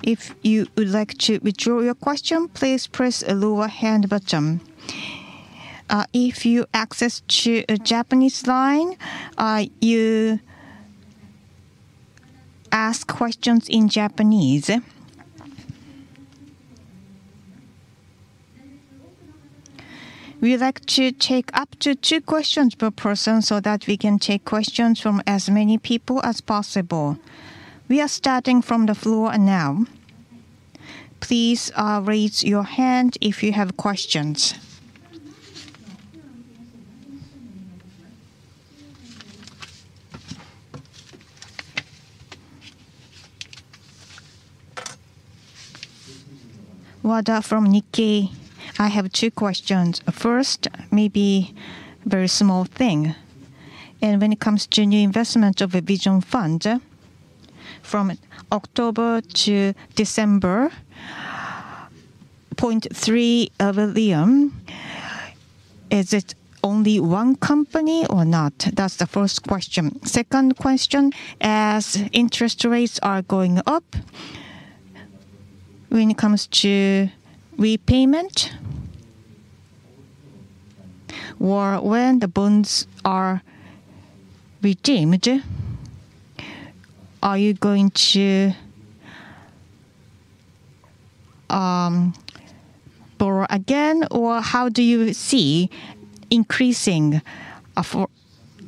If you would like to withdraw your question, please press Lower Hand button. If you access to a Japanese line, you ask questions in Japanese. We like to take up to two questions per person so that we can take questions from as many people as possible. We are starting from the floor now. Please raise your hand if you have questions. Wada from Nikkei. I have two questions. First, maybe very small thing. When it comes to new investment of a Vision Fund, from October to December, 0.3 billion, is it only one company or not? That's the first question. Second question, as interest rates are going up, when it comes to repayment or when the bonds are redeemed, are you going to borrow again, or how do you see increasing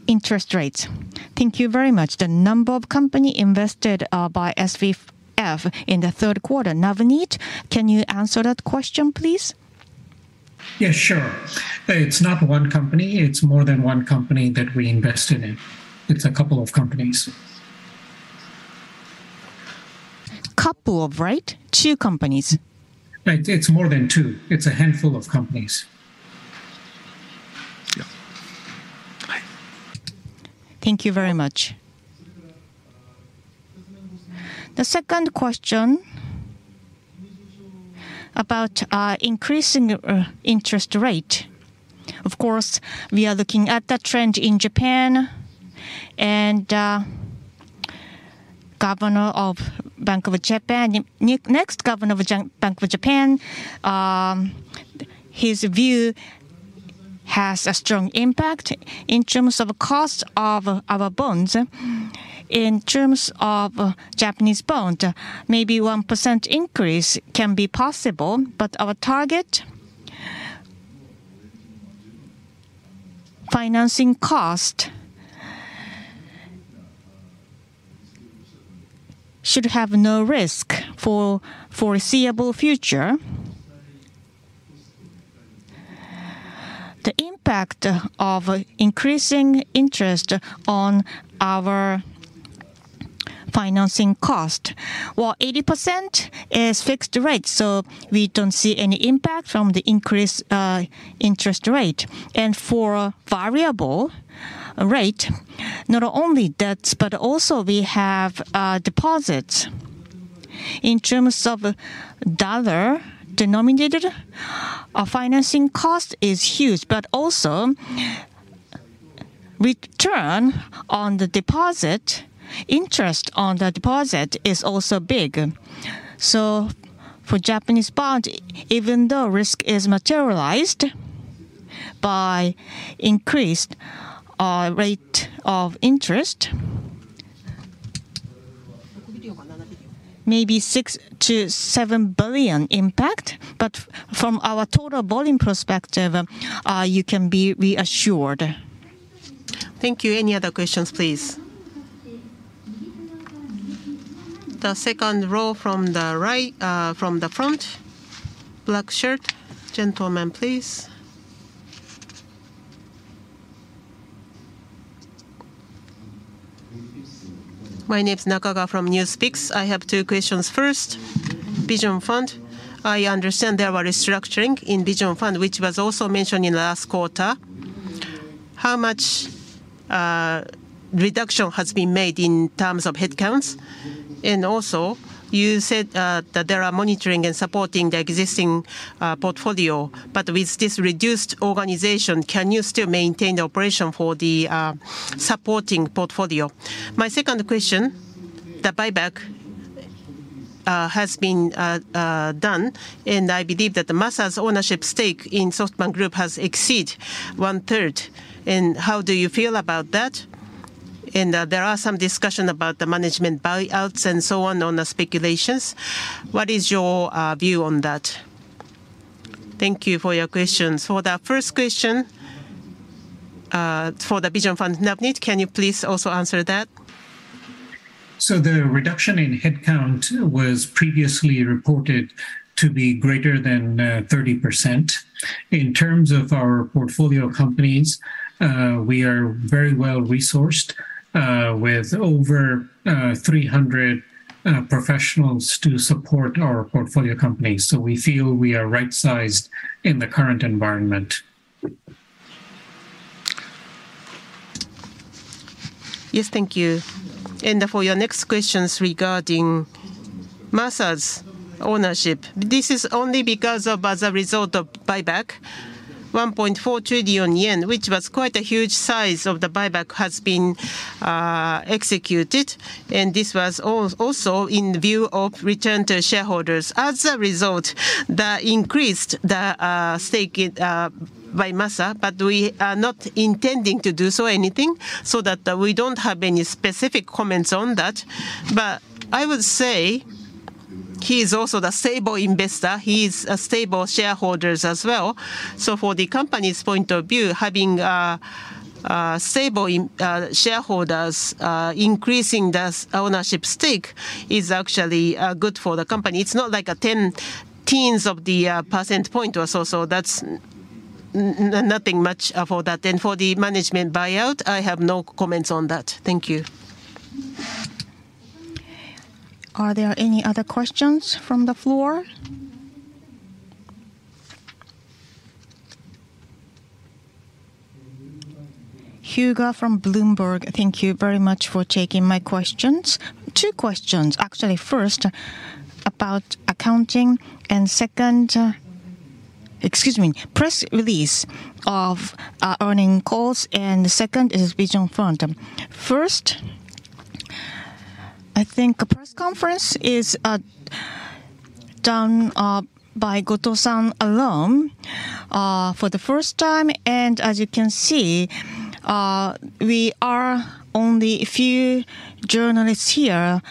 interest rates? Thank you very much. The number of company invested by SVF in the third quarter. Navneet, can you answer that question, please? Yes, sure. It's not one company, it's more than one company that we invested in. It's a couple of companies. Couple of, right? Two companies. It's more than two. It's a handful of companies. Thank you very much. The second question about increasing interest rate. Of course, we are looking at that trend in Japan and governor of Bank of Japan, next governor of Bank of Japan, his view has a strong impact in terms of cost of our bonds. In terms of Japanese bond, maybe 1% increase can be possible, but our target financing cost should have no risk for foreseeable future. The impact of increasing interest on our financing cost, while 80% is fixed rate, so we don't see any impact from the increased interest rate. For variable rate, not only debts, but also we have deposits. In terms of USD denominated, our financing cost is huge, but also return on the deposit, interest on the deposit is also big. For Japanese bond, even though risk is materialized by increased rate of interest, maybe 6 billion-7 billion impact. From our total borrowing perspective, you can be reassured. Thank you. Any other questions, please? The second row from the right, from the front. Black shirt. Gentleman, please. My name's Nakaga from NewsPicks. I have two questions. First, Vision Fund. I understand there were restructuring in Vision Fund, which was also mentioned in last quarter. How much reduction has been made in terms of headcounts? Also, you said that there are monitoring and supporting the existing portfolio. With this reduced organization, can you still maintain the operation for the supporting portfolio? My second question, the buyback has been done, and I believe that Masa's ownership stake in SoftBank Group has exceed 1/3. How do you feel about that? There are some discussion about the management buyouts and so on the speculations. What is your view on that? Thank you for your questions. For the first question, for the Vision Fund, Navneet, can you please also answer that? The reduction in headcount was previously reported to be greater than 30%. In terms of our portfolio companies, we are very well-resourced, with over 300 professionals to support our portfolio companies. We feel we are right-sized in the current environment. Yes, thank you. For your next questions regarding Masa's ownership. This is only as a result of buyback. 1.4 trillion yen, which was quite a huge size of the buyback, has been executed. This was also in view of return to shareholders. As a result, the increased stake by Masa, we are not intending to do anything, we don't have any specific comments on that. I would say he is also the stable investor. He is a stable shareholders as well. For the company's point of view, having stable shareholders, increasing the ownership stake is actually good for the company. It's not like a tens of the percent point or so. That's nothing much for that. For the management buyout, I have no comments on that. Thank you. Are there any other questions from the floor? Hugo from Bloomberg. Thank you very much for taking my questions. Two questions. Actually, first about accounting. Press release of earnings calls, and the second is Vision Fund. First, I think a press conference is done by Goto-san alone for the first time. As you can see, we are only a few journalists here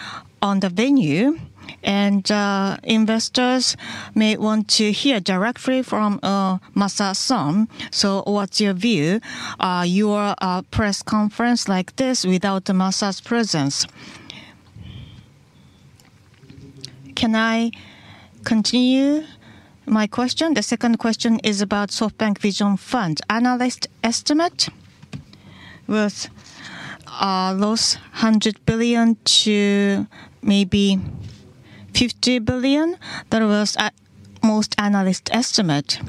on the venue, and investors may want to hear directly from Masa-san. What's your view on your press conference like this without Masa's presence? Can I continue my question? The second question is about SoftBank Vision Fund. Analyst estimate was loss 100 billion to maybe 50 billion. That was at most analyst estimate.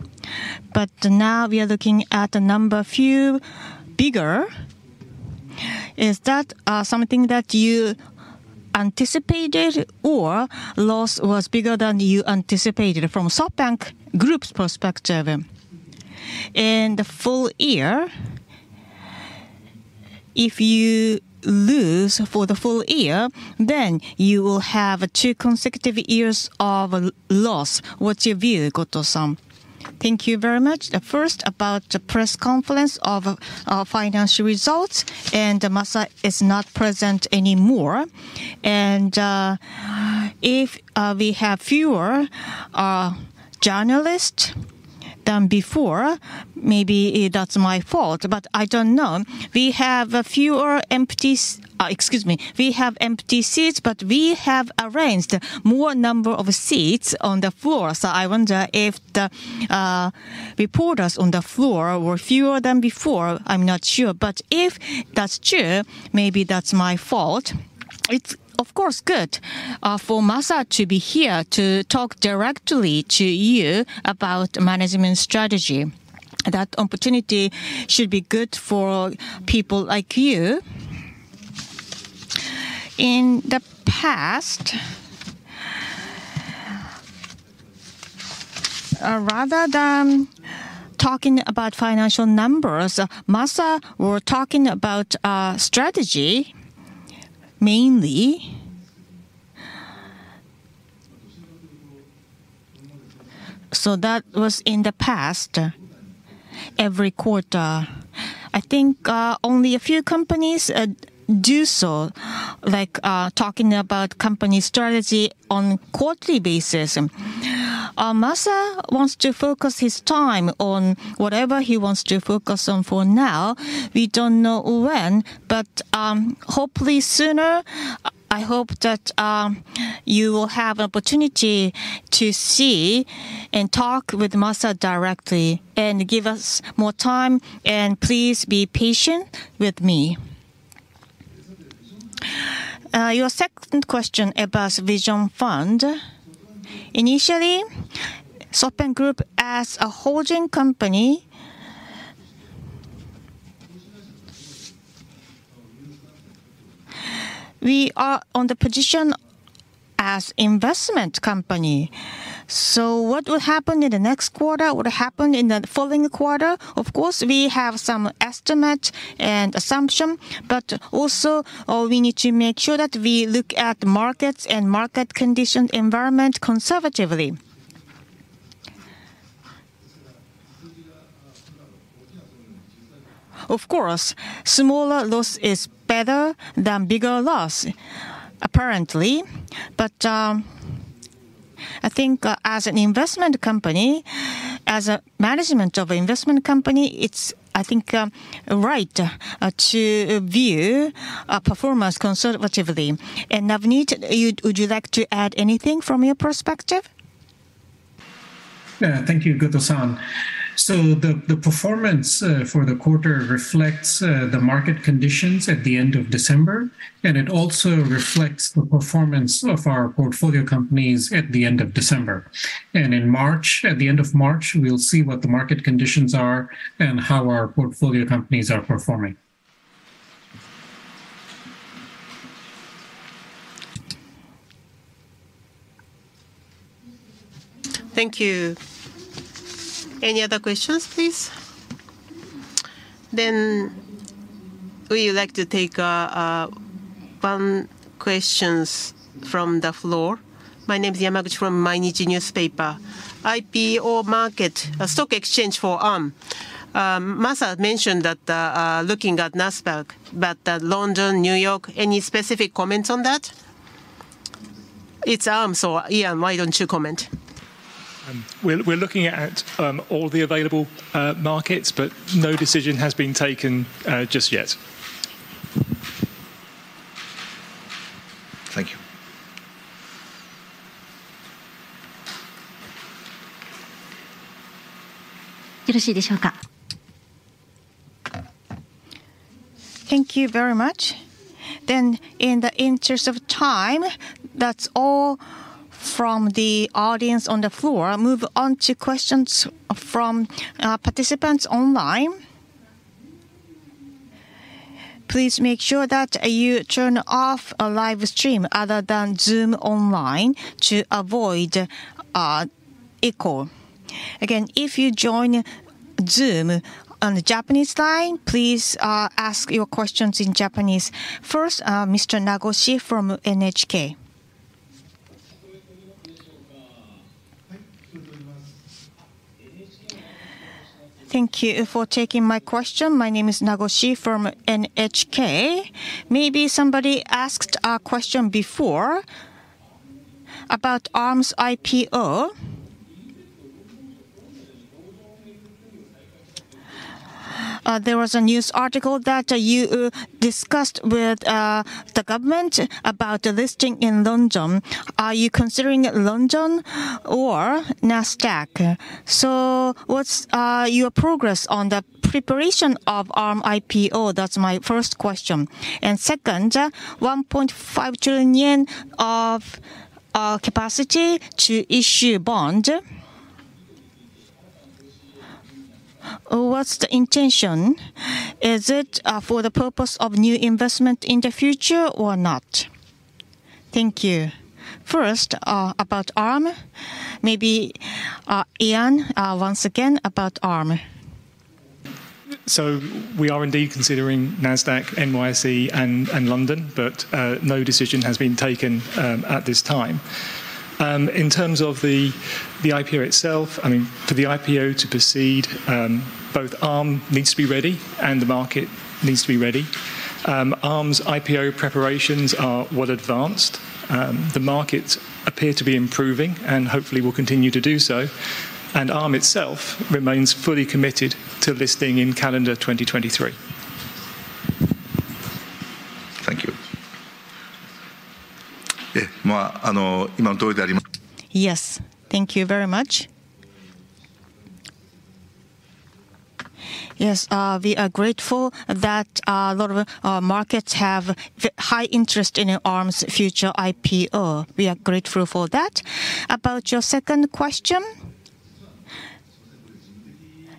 Now we are looking at the number few bigger. Is that something that you anticipated or loss was bigger than you anticipated from SoftBank Group's perspective? In the full year, if you lose for the full year, you will have two consecutive years of loss. What's your view, Goto-san? Thank you very much. The first about the press conference of financial results, Masa is not present anymore. If we have fewer journalists than before, maybe that's my fault, but I don't know. We have fewer empty excuse me, we have empty seats, but we have arranged more number of seats on the floor. I wonder if the reporters on the floor were fewer than before. I'm not sure. If that's true, maybe that's my fault. It's of course good for Masa to be here to talk directly to you about management strategy. That opportunity should be good for people like you. In the past, rather than talking about financial numbers, Masa were talking about strategy mainly. That was in the past every quarter. I think only a few companies do so, like talking about company strategy on quarterly basis. Masa wants to focus his time on whatever he wants to focus on for now. We don't know when, but, hopefully sooner, I hope that you will have opportunity to see and talk with Masa directly, and give us more time, and please be patient with me. Your second question about Vision Fund. Initially, SoftBank Group as a holding company, we are on the position as investment company. What will happen in the next quarter? What happen in the following quarter? Of course, we have some estimate and assumption, but also, we need to make sure that we look at markets and market condition environment conservatively. Of course, smaller loss is better than bigger loss, apparently. I think as an investment company, as a management of investment company, it's, I think, right to view our performance conservatively. Navneet, would you like to add anything from your perspective? Yeah. Thank you, Goto-san. The performance for the quarter reflects the market conditions at the end of December, and it also reflects the performance of our portfolio companies at the end of December. In March, at the end of March, we'll see what the market conditions are and how our portfolio companies are performing. Thank you. Any other questions, please? We would like to take one questions from the floor. My name is Yamaguchi from Mainichi Newspaper. IPO market, stock exchange for Arm. Masa mentioned that, looking at NASDAQ, but London, New York, any specific comments on that? It's Arm, so Ian, why don't you comment? We're looking at all the available markets, but no decision has been taken just yet. Thank you. Thank you very much. In the interest of time, that's all from the audience on the floor. Move on to questions from participants online. Please make sure that you turn off live stream other than Zoom online to avoid echo. Again, if you join Zoom on the Japanese line, please ask your questions in Japanese. First, Mr. Nagoshi from NHK. Thank you for taking my question. My name is Nagoshi from NHK. Maybe somebody asked a question before about Arm's IPO. There was a news article that you discussed with the government about the listing in London. Are you considering London or NASDAQ? What's your progress on the preparation of Arm IPO? That's my first question. Second, 1.5 trillion yen of capacity to issue bond. What's the intention? Is it for the purpose of new investment in the future or not? Thank you. First, about Arm. Maybe, Ian, once again about Arm. We are indeed considering NASDAQ, NYSE and London, but no decision has been taken at this time. In terms of the IPO itself, I mean, for the IPO to proceed, both Arm needs to be ready and the market needs to be ready. Arm's IPO preparations are well advanced. The markets appear to be improving and hopefully will continue to do so, and Arm itself remains fully committed to listing in calendar 2023. Thank you. Yes. Thank you very much. Yes, we are grateful that a lot of our markets have high interest in Arm's future IPO. We are grateful for that. About your second question,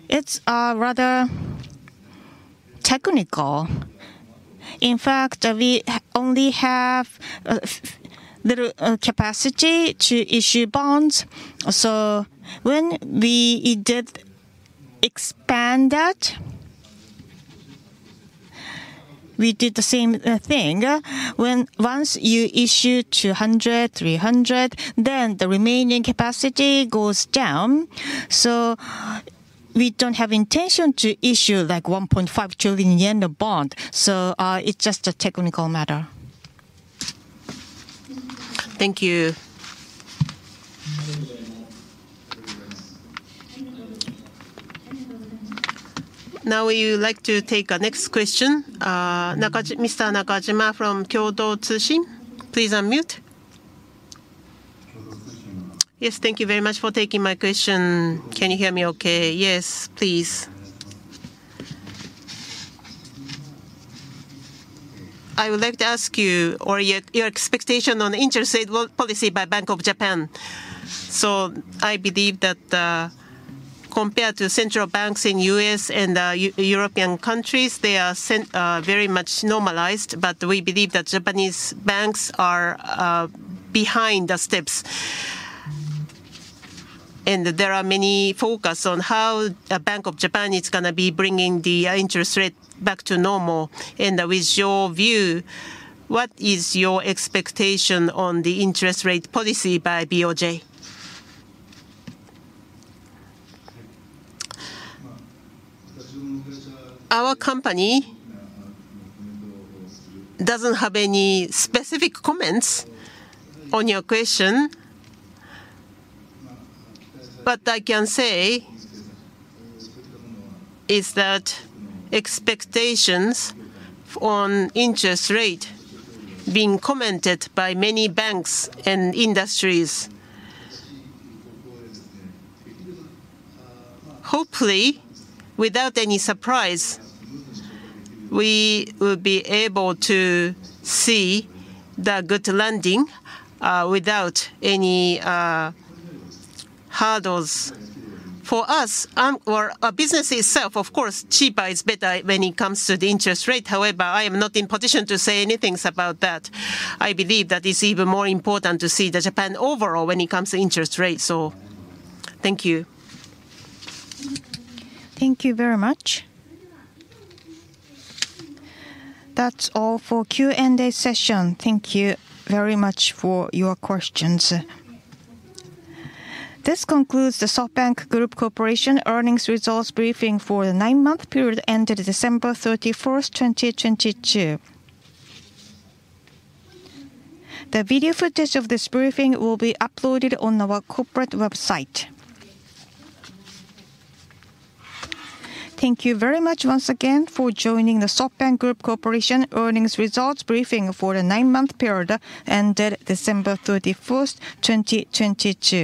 it's rather technical. In fact, we only have little capacity to issue bonds. When we did expand that, we did the same thing. When once you issue 200, 300, then the remaining capacity goes down. We don't have intention to issue like 1.5 trillion yen of bond. It's just a technical matter. Thank you. Now we would like to take our next question. Mr. Nakajima from Kyodo Tsushin, please unmute. Yes. Thank you very much for taking my question. Can you hear me okay? Yes, please. I would like to ask you or your expectation on interest rate policy by Bank of Japan. I believe that, compared to central banks in U.S. and European countries, they are very much normalized, but we believe that Japanese banks are behind the steps. There are many focus on how the Bank of Japan is gonna be bringing the interest rate back to normal. With your view, what is your expectation on the interest rate policy by BOJ? Our company doesn't have any specific comments on your question. What I can say is that expectations on interest rate being commented by many banks and industries. Hopefully, without any surprise, we will be able to see the good lending without any hurdles. For us, or our business itself, of course, cheaper is better when it comes to the interest rate. I am not in position to say any things about that. I believe that it's even more important to see the Japan overall when it comes to interest rates. Thank you. Thank you very much. That's all for Q&A session. Thank you very much for your questions. This concludes the SoftBank Group Corp. earnings results briefing for the nine-month period ended December 31st, 2022. The video footage of this briefing will be uploaded on our corporate website. Thank you very much once again for joining the SoftBank Group Corp. earnings results briefing for the nine-month period ended December 31st, 2022.